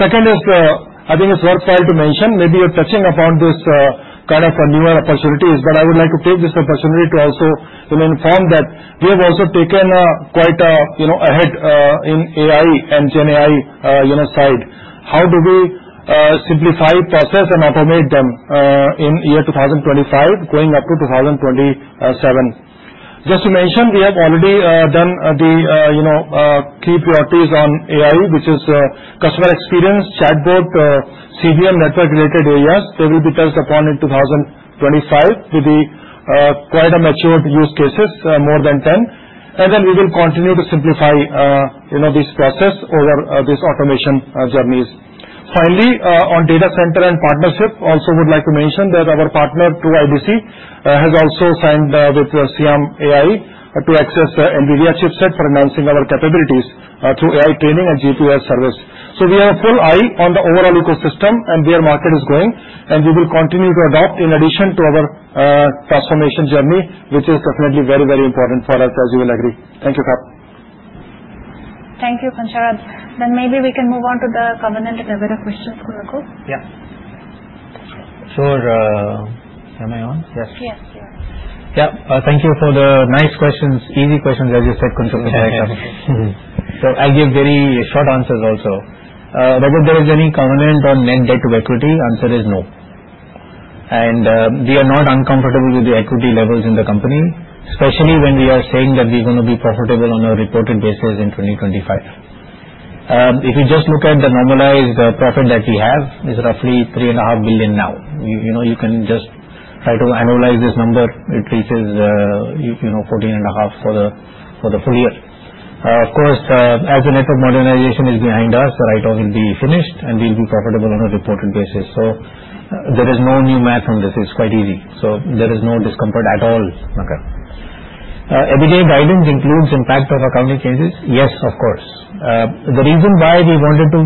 Second, I think it's worthwhile to mention, maybe you're touching upon this kind of newer opportunities, but I would like to take this opportunity to also inform that we have also taken quite a lead in AI and GenAI side. How do we simplify, process, and automate them in the year 2025, going up to 2027? Just to mention, we have already done the key priorities on AI, which is customer experience, chatbot, CBM, network-related areas. They will be touched upon in 2025 with quite mature use cases, more than 10. And then we will continue to simplify this process over these automation journeys. Finally, on data center and partnership, I also would like to mention that our partner, TrueIDc, has also signed with Siam AI to access NVIDIA chipset for enhancing our capabilities through AI training and GPU as a service. So we have a full eye on the overall ecosystem and where the market is going, and we will continue to adopt in addition to our transformation journey, which is definitely very, very important for us, as you will agree. Thank you, Kath. Thank you, Khun Sharad. Then maybe we can move on to the governance and EBITDA questions, Khun Nakul. Yeah. Sure. Am I on? Yes. Yes. Yeah. Thank you for the nice questions, easy questions, as you said, Khun Supachai. So I'll give very short answers also. Whether there is any comment on net debt to equity, the answer is no. And we are not uncomfortable with the equity levels in the company, especially when we are saying that we are going to be profitable on a reported basis in 2025. If you just look at the normalized profit that we have, it's roughly 3.5 billion now. You can just try to analyze this number. It reaches 14.5 for the full year. Of course, as the network modernization is behind us, the write-off will be finished, and we'll be profitable on a reported basis. So there is no new math on this. It's quite easy. So there is no discomfort at all. EBITDA guidance includes the impact of accounting changes? Yes, of course. The reason why we wanted to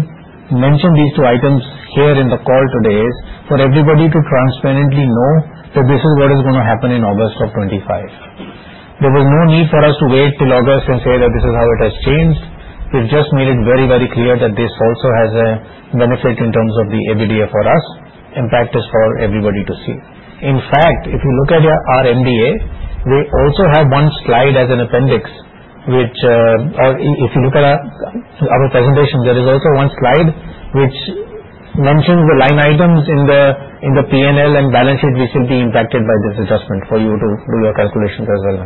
mention these two items here in the call today is for everybody to transparently know that this is what is going to happen in August of 2025. There was no need for us to wait till August and say that this is how it has changed. We've just made it very, very clear that this also has a benefit in terms of the EBITDA for us. Impact is for everybody to see. In fact, if you look at our MDA, we also have one slide as an appendix, which, or if you look at our presentation, there is also one slide which mentions the line items in the P&L and balance sheet which will be impacted by this adjustment for you to do your calculations as well.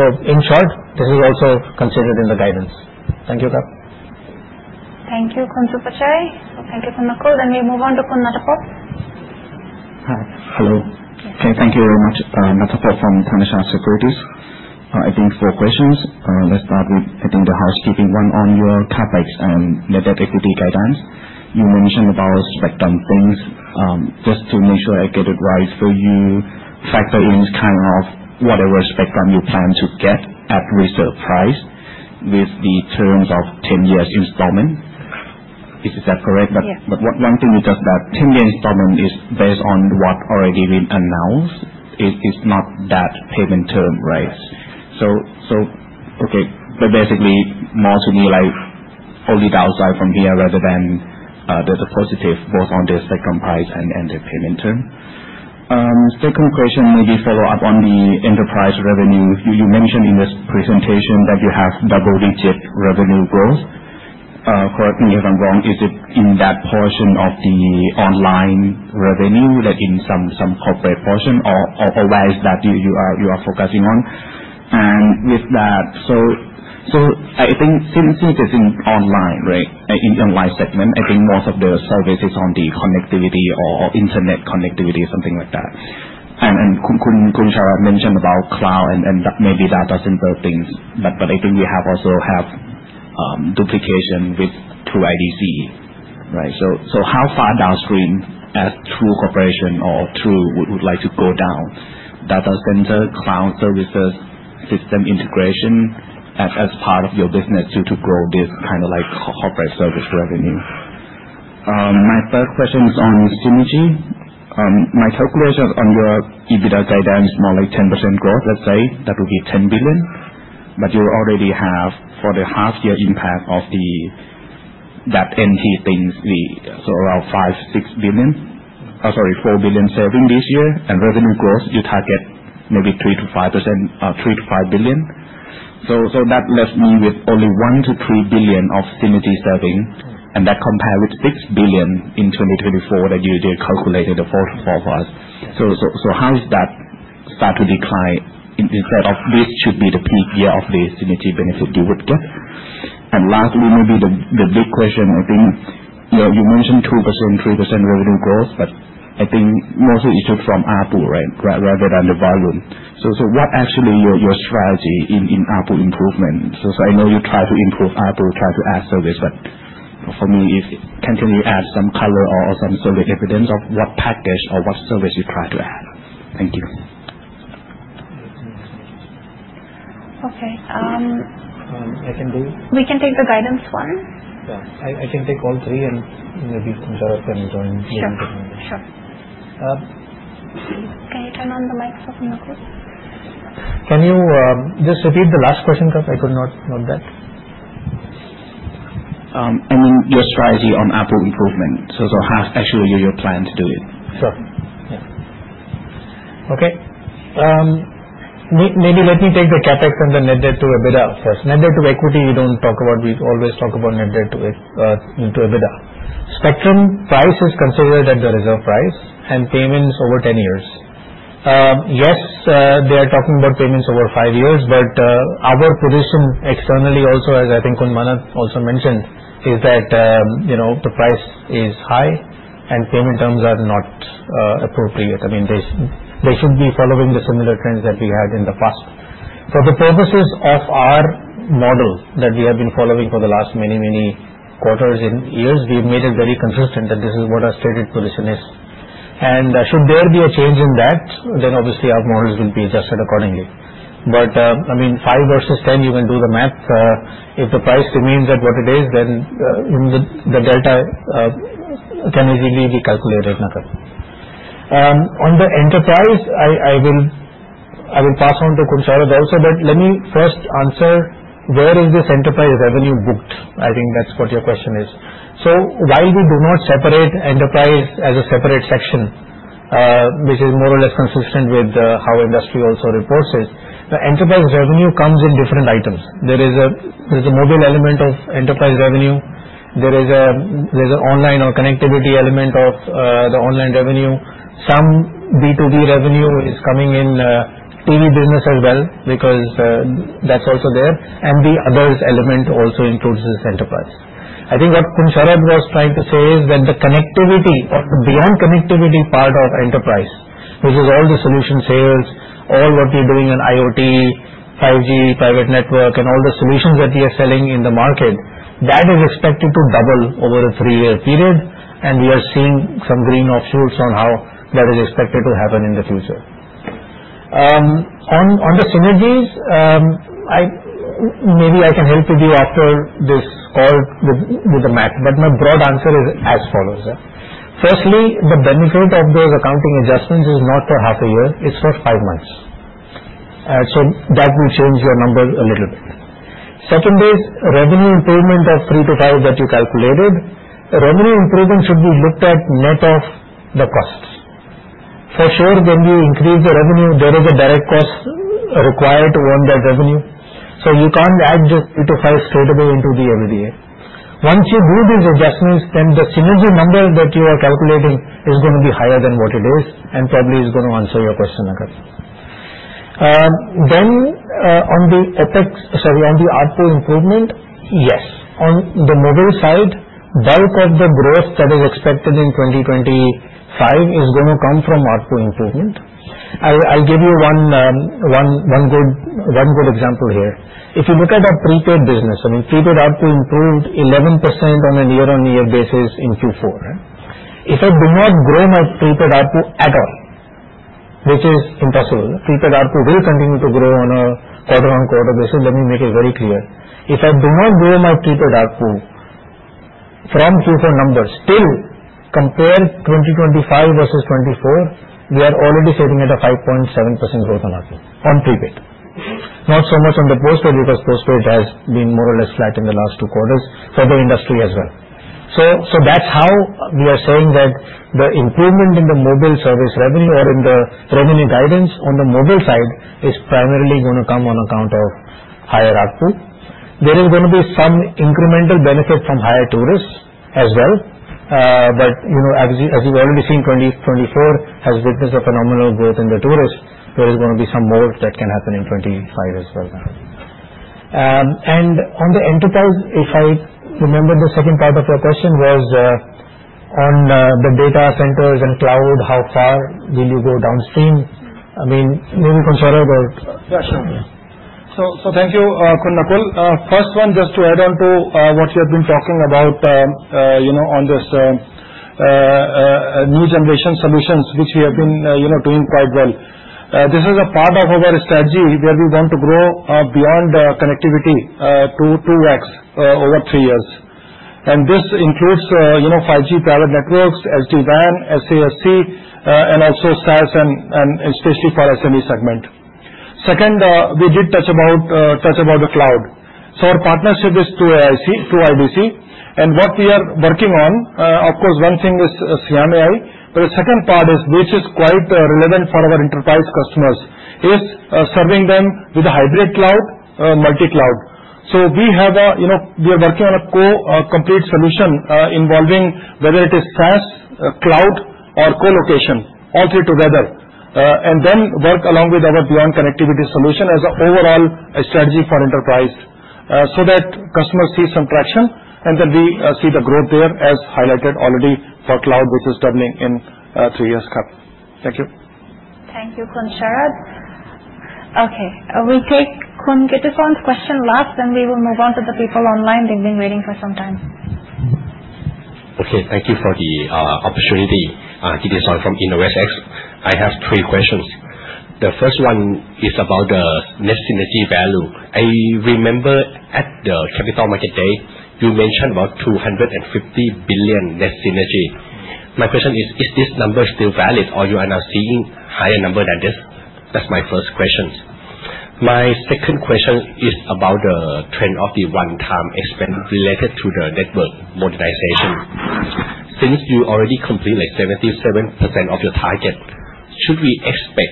So in short, this is also considered in the guidance. Thank you, Kath. Thank you, Khun Supachai. Thank you, Khun Nakul. Then we move on to Khun Natapol. Hello. Okay. Thank you very much, Natapol from Thanachart Securities. I think four questions. Let's start with, I think, the housekeeping one on your CapEx and net debt equity guidance. You mentioned about spectrum things. Just to make sure I get it right for you, factor in kind of whatever spectrum you plan to get at resale price with the terms of 10-year installment. Is that correct? But one thing we just got: 10-year installment is based on what already we announced. It's not that payment term, right? Yes. So, okay. But basically, more to me like only the outside from here rather than the positive both on the spectrum price and the payment term. Second question, maybe follow up on the enterprise revenue. You mentioned in this presentation that you have double-digit revenue growth. Correct me if I'm wrong. Is it in that portion of the online revenue that in some corporate portion, or where is that you are focusing on? And with that, so I think since it is in online, right, in the online segment, I think most of the service is on the connectivity or internet connectivity, something like that. And Khun Sharad mentioned about cloud and maybe data center things. But I think we also have duplication with TrueIDc, right? So how far downstream as True Corporation or True would like to go down? Data center, cloud services, system integration as part of your business to grow this kind of corporate service revenue? My third question is on Synergy. My calculation on your EBITDA guidance is more like 10% growth, let's say. That would be 10 billion. But you already have for the half-year impact of that NT things, so around 5-6 billion. Sorry, 4 billion saving this year. And revenue growth, you target maybe 3 to 5 billion. So that left me with only 1 to 3 billion of synergy saving. And that compared with 6 billion in 2024 that you did calculate in the fourth quarter. So how is that start to decline instead of this should be the peak year of the synergy benefit you would get? And lastly, maybe the big question, I think you mentioned 2%-3% revenue growth, but I think mostly it should come out, right, rather than the volume. So what actually is your strategy in output improvement? So I know you try to improve ARPU, try to add service, but for me, can you add some color or some survey evidence of what package or what service you try to add? Thank you. Okay. I can do. We can take the guidance one. Yeah. I can take all three and maybe Khun Sharad can join later on. Sure. Sure. Can you turn on the mic for Khun Nakul? Can you just repeat the last question, Kath? I could not note that. I mean, your strategy on ARPU improvement. So how actually your plan to do it? Sure. Yeah. Okay. Maybe let me take the CapEx and the net debt to EBITDA first. Net debt to equity, we don't talk about. We always talk about net debt to EBITDA. Spectrum price is considered at the reserve price and payments over 10 years. Yes, they are talking about payments over five years, but our position externally also, as I think Khun Manat also mentioned, is that the price is high and payment terms are not appropriate. I mean, they should be following the similar trends that we had in the past. For the purposes of our model that we have been following for the last many, many quarters and years, we've made it very consistent that this is what our stated position is. And should there be a change in that, then obviously our models will be adjusted accordingly. But I mean, five versus 10, you can do the math. If the price remains at what it is, then the delta can easily be calculated, Nakul. On the enterprise, I will pass on to Khun Sharad also, but let me first answer where is this enterprise revenue booked. I think that's what your question is. So while we do not separate enterprise as a separate section, which is more or less consistent with how industry also reports it, the enterprise revenue comes in different items. There is a mobile element of enterprise revenue. There is an online or connectivity element of the online revenue. Some B2B revenue is coming in TV business as well because that's also there. And the other elements also includes this enterprise. I think what Khun Sharad was trying to say is that the connectivity or the beyond connectivity part of enterprise, which is all the solution sales, all what we're doing in IoT, 5G, private network, and all the solutions that we are selling in the market, that is expected to double over a three-year period. And we are seeing some green shoots on how that is expected to happen in the future. On the synergies, maybe I can help with you after this call with the math, but my broad answer is as follows. Firstly, the benefit of those accounting adjustments is not for half a year. It's for five months. So that will change your number a little bit. Second is revenue improvement of 3-5 that you calculated. Revenue improvement should be looked at net of the costs. For sure, when you increase the revenue, there is a direct cost required to earn that revenue. So you can't add just 3-5 straight away into the EBITDA. Once you do these adjustments, then the synergy number that you are calculating is going to be higher than what it is and probably is going to answer your question, Nakul. Then on the OpEx, sorry, on the output improvement, yes. On the mobile side, bulk of the growth that is expected in 2025 is going to come from output improvement. I'll give you one good example here. If you look at a prepaid business, I mean, prepaid output improved 11% on a year-on-year basis in Q4. If I do not grow my prepaid output at all, which is impossible, prepaid output will continue to grow on a quarter-on-quarter basis. Let me make it very clear. If I do not grow my prepaid output from Q4 numbers, still compared 2025 versus 2024, we are already sitting at a 5.7% growth on prepaid. Not so much on the postpaid because postpaid has been more or less flat in the last two quarters for the industry as well. So that's how we are saying that the improvement in the mobile service revenue or in the revenue guidance on the mobile side is primarily going to come on account of higher output. There is going to be some incremental benefit from higher tourists as well. But as you've already seen, 2024 has witnessed a phenomenal growth in the tourists. There is going to be some more that can happen in 2025 as well. And on the enterprise, if I remember, the second part of your question was on the data centers and cloud, how far will you go downstream? I mean, maybe Khun Sharad or. Yeah, sure. So thank you, Khun Nakul. First one, just to add on to what you have been talking about on this new generation solutions, which we have been doing quite well. This is a part of our strategy where we want to grow beyond connectivity to 2X over three years. This includes 5G, private networks, SD-WAN, SASE, and also SaaS, and especially for SME segment. Second, we did touch about the cloud. Our partnership is through IDC. What we are working on, of course, one thing is Siam AI, but the second part is, which is quite relevant for our enterprise customers, is serving them with a hybrid cloud, multi-cloud. We are working on a complete solution involving whether it is SaaS, cloud, or co-location, all three together, and then work along with our beyond connectivity solution as an overall strategy for enterprise so that customers see some traction, and then we see the growth there as highlighted already for cloud, which is doubling in three years, Kath. Thank you. Thank you, Khun Sharad. Okay. We take Khun Kittisorn's question last, then we will move on to the people online. They've been waiting for some time. Okay. Thank you for the opportunity. This is Kittisorn from InnovestX. I have three questions. The first one is about the net synergy value. I remember at the Capital Market Day, you mentioned about 250 billion net synergy. My question is, is this number still valid, or you are now seeing a higher number than this? That's my first question. My second question is about the trend of the one-time expense related to the network modernization. Since you already completed like 77% of your target, should we expect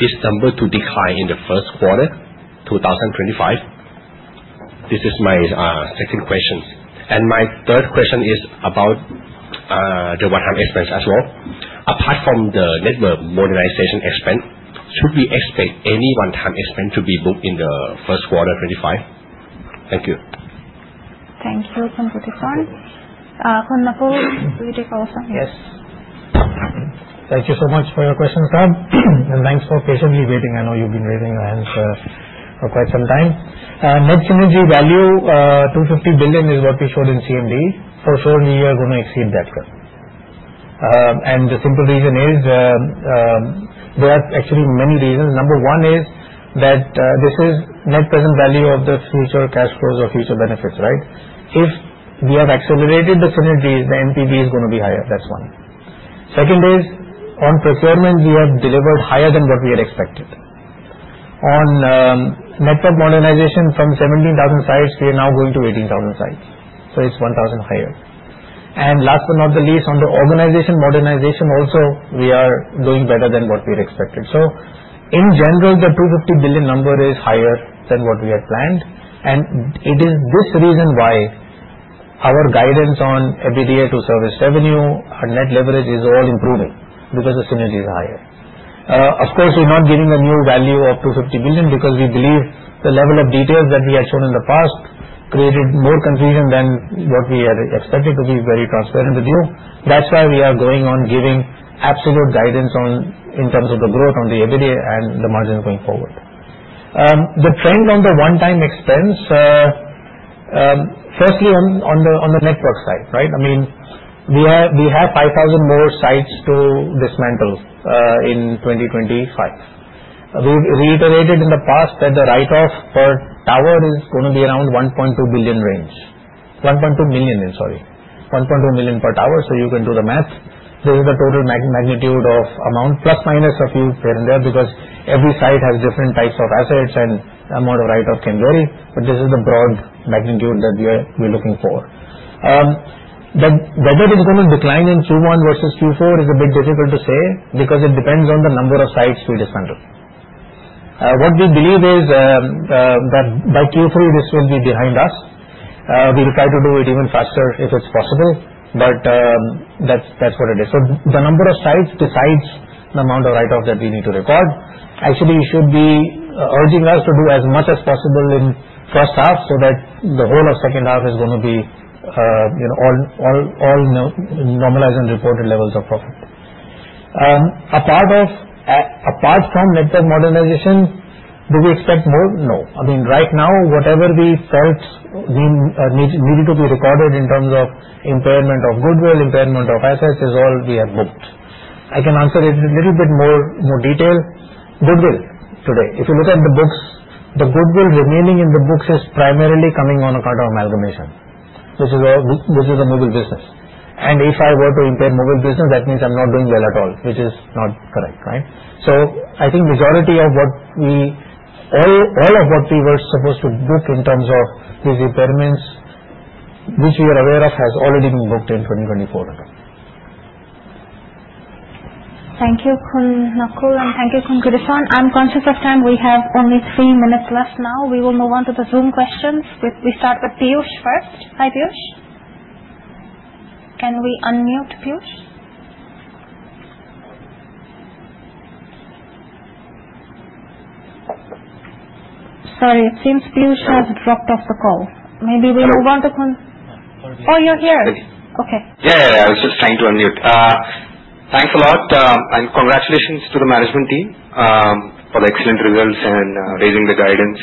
this number to decline in the first quarter, 2025? This is my second question. And my third question is about the one-time expense as well. Apart from the network modernization expense, should we expect any one-time expense to be booked in the first quarter 25? Thank you. Thank you, Khun Kittisorn. Khun Nakul, you take also here. Yes. Thank you so much for your questions, Kath. And thanks for patiently waiting. I know you've been raising your hand for quite some time. Net synergy value, 250 billion, is what we showed in CMD. For sure, we are going to exceed that, Kath. And the simple reason is there are actually many reasons. Number one is that this is net present value of the future cash flows or future benefits, right? If we have accelerated the synergies, the NPV is going to be higher. That's one. Second is, on procurement, we have delivered higher than what we had expected. On network modernization from 17,000 sites, we are now going to 18,000 sites. So it's 1,000 higher. And last but not the least, on the organization modernization also, we are doing better than what we had expected. So in general, the 250 billion number is higher than what we had planned. And it is this reason why our guidance on EBITDA service revenue, our net leverage is all improving because the synergy is higher. Of course, we're not giving a new value of 250 billion because we believe the level of details that we had shown in the past created more confusion than what we had expected. To be very transparent with you, that's why we are going on giving absolute guidance in terms of the growth on the EBITDA and the margins going forward. The trend on the one-time expense, firstly on the network side, right? I mean, we have 5,000 more sites to dismantle in 2025. We've reiterated in the past that the write-off per tower is going to be around 1.2 billion range. 1.2 million, sorry. 1.2 million per tower. So you can do the math. This is the total magnitude of amount, plus minus a few here and there because every site has different types of assets and the amount of write-off can vary. But this is the broad magnitude that we're looking for. Whether it's going to decline in Q1 versus Q4 is a bit difficult to say because it depends on the number of sites we dismantle. What we believe is that by Q3, this will be behind us. We will try to do it even faster if it's possible. But that's what it is. So the number of sites decides the amount of write-off that we need to record. Actually, you should be urging us to do as much as possible in the first half so that the whole of the second half is going to be all normalized and reported levels of profit. Apart from network modernization, do we expect more? No. I mean, right now, whatever we felt needed to be recorded in terms of impairment of goodwill, impairment of assets is all we have booked. I can answer it a little bit more detail. Goodwill today. If you look at the books, the goodwill remaining in the books is primarily coming on account of amalgamation, which is a mobile business, and if I were to impair mobile business, that means I'm not doing well at all, which is not correct, right? So I think majority of what we were supposed to book in terms of these impairments, which we are aware of, has already been booked in 2024. Thank you, Khun Nakul, and thank you, Khun Kittisorn. I'm conscious of time. We have only three minutes left now. We will move on to the Zoom questions. We start with Piyush first. Hi, Piyush. Can we unmute Piyush? Sorry, it seems Piyush has dropped off the call. Maybe we move on to Khun. Oh, you're here. Okay. Yeah, yeah, yeah. I was just trying to unmute. Thanks a lot. And congratulations to the management team for the excellent results and raising the guidance.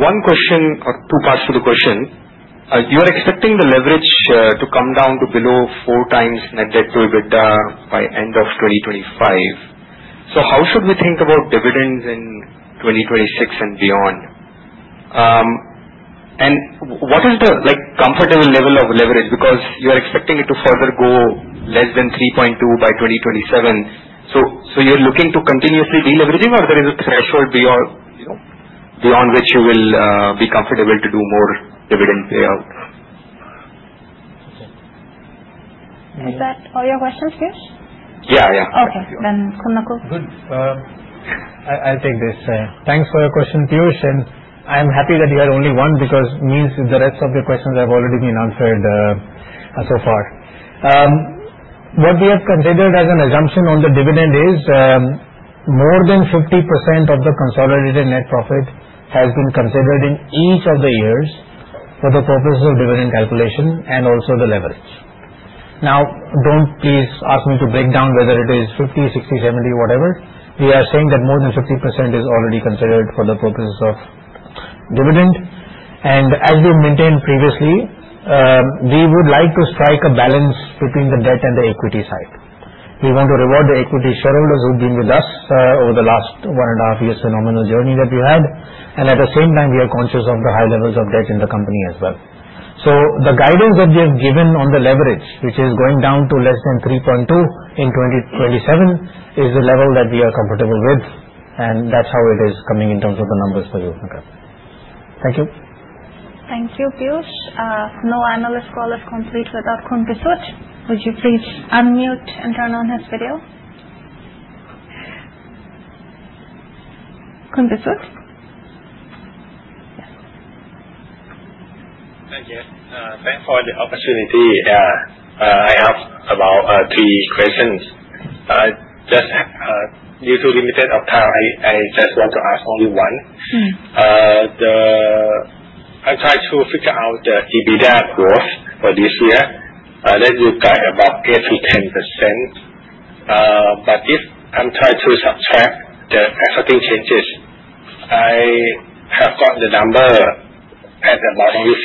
One question or two parts to the question. You are expecting the leverage to come down to below four times net debt to EBITDA by end of 2025. How should we think about dividends in 2026 and beyond? And what is the comfortable level of leverage? Because you are expecting it to further go less than 3.2 by 2027. So you're looking to continuously deleveraging, or there is a threshold beyond which you will be comfortable to do more dividend payouts? Is that all your questions, Piyush? Yeah, yeah. Okay. Then, Khun Nakul? Good. I'll take this. Thanks for your question, Piyush. And I'm happy that you had only one because it means the rest of your questions have already been answered so far. What we have considered as an assumption on the dividend is more than 50% of the consolidated net profit has been considered in each of the years for the purpose of dividend calculation and also the leverage. Now, please don't ask me to break down whether it is 50, 60, 70, whatever. We are saying that more than 50% is already considered for the purposes of dividend. And as we maintained previously, we would like to strike a balance between the debt and the equity side. We want to reward the equity shareholders who've been with us over the last one and a half years, phenomenal journey that we had. And at the same time, we are conscious of the high levels of debt in the company as well. So the guidance that we have given on the leverage, which is going down to less than 3.2 in 2027, is the level that we are comfortable with. And that's how it is coming in terms of the numbers for you, Nakul. Thank you. Thank you, Piyush. No analyst call is complete without Khun Kittisorn. Would you please unmute and turn on his video? Khun Kittisorn? Yes. Thank you. Thanks for the opportunity. I have about three questions. Just due to limited time, I just want to ask only one. I tried to figure out the EBITDA growth for this year. Then you got about 8%-10%. But if I'm trying to subtract the expected changes, I have got the number at about only 5%.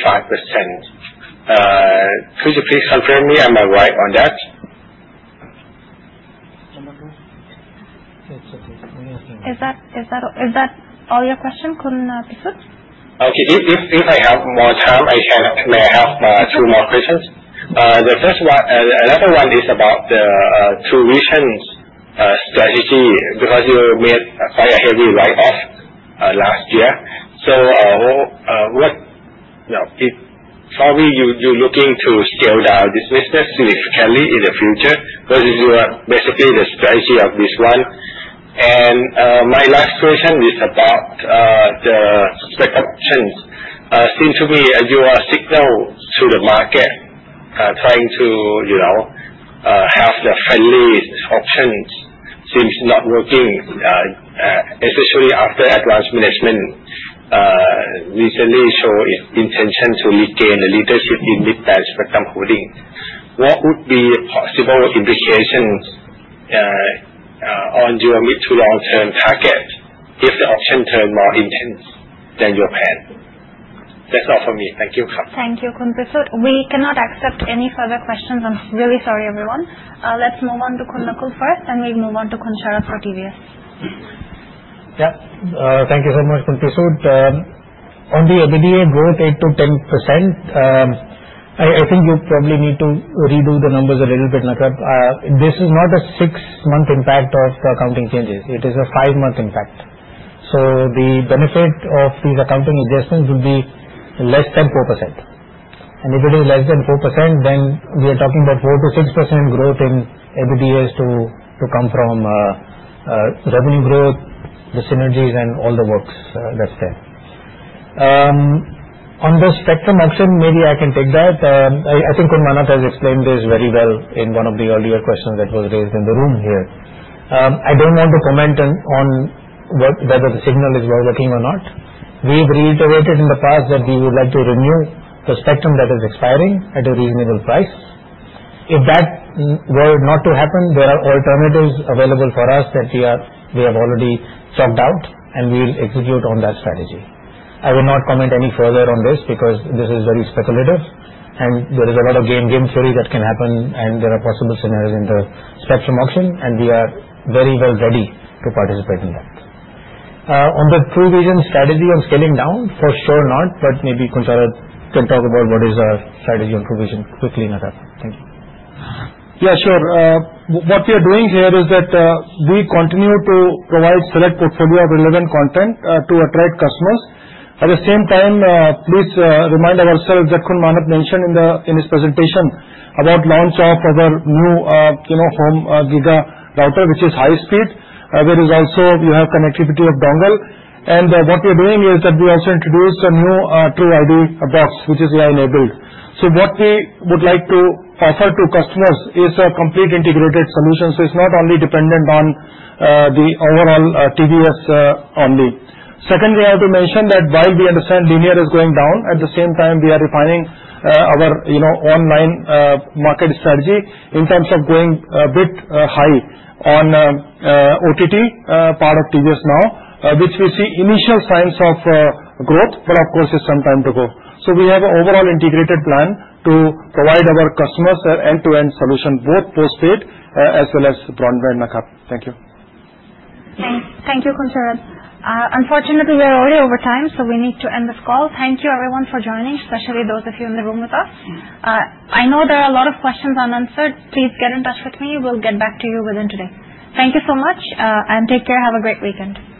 Could you please confirm me? Am I right on that? Is that all your question, Khun Kittisorn? Okay. If I have more time, may I have two more questions? Another one is about the TrueVision strategy because you made quite a heavy write-off last year. So, are you looking to scale down this business significantly in the future versus basically the strategy of this one. And my last question is about the spectrum options. seems to me you are sending a signal to the market trying to have the friendly option. It seems not working, especially after Advanced management recently showed intention to regain the leadership in mobile spectrum holdings. What would be a possible implication on your mid- to long-term target if the auction turned more intense than your plan? That's all for me. Thank you. Thank you, Khun Kittisorn. We cannot accept any further questions. I'm really sorry, everyone. Let's move on to Khun Nakul first, then we'll move on to Khun Sharad for TVS. Yep. Thank you so much, Khun Kittisorn. On the EBITDA growth, 8%-10%, I think you probably need to redo the numbers a little bit, Nakul. This is not a six-month impact of the accounting changes. It is a five-month impact. So the benefit of these accounting adjustments would be less than 4%. And if it is less than 4%, then we are talking about 4-6% growth in EBITDA to come from revenue growth, the synergies, and all the work that's there. On the spectrum option, maybe I can take that. I think Khun Manat has explained this very well in one of the earlier questions that was raised in the room here. I don't want to comment on whether the signal is well working or not. We've reiterated in the past that we would like to renew the spectrum that is expiring at a reasonable price. If that were not to happen, there are alternatives available for us that we have already talked about, and we'll execute on that strategy. I will not comment any further on this because this is very speculative, and there is a lot of game theory that can happen, and there are possible scenarios in the spectrum option, and we are very well ready to participate in that. On the TrueVisions strategy on scaling down, for sure not, but maybe Khun Sharad can talk about what is our strategy on TrueVisions quickly, Nakul. Thank you. Yeah, sure. What we are doing here is that we continue to provide a select portfolio of relevant content to attract customers. At the same time, please remind ourselves that Khun Manat mentioned in his presentation about the launch of our new home Gigatex router, which is high-speed. There is also connectivity of dongle. And what we are doing is that we also introduced a new TrueID box, which is AI-enabled. So what we would like to offer to customers is a complete integrated solution. So it's not only dependent on the overall TVS only. Second, we have to mention that while we understand linear is going down, at the same time, we are refining our online market strategy in terms of going a bit high on the OTT part of TVS now, which we see initial signs of growth, but of course, it's some time to go. So we have an overall integrated plan to provide our customers an end-to-end solution, both postpaid as well as broadband, Nakul. Thank you. Thank you, Khun Sharad. Unfortunately, we are already over time, so we need to end this call. Thank you, everyone, for joining, especially those of you in the room with us. I know there are a lot of questions unanswered. Please get in touch with me. We'll get back to you within today. Thank you so much, and take care. Have a great weekend.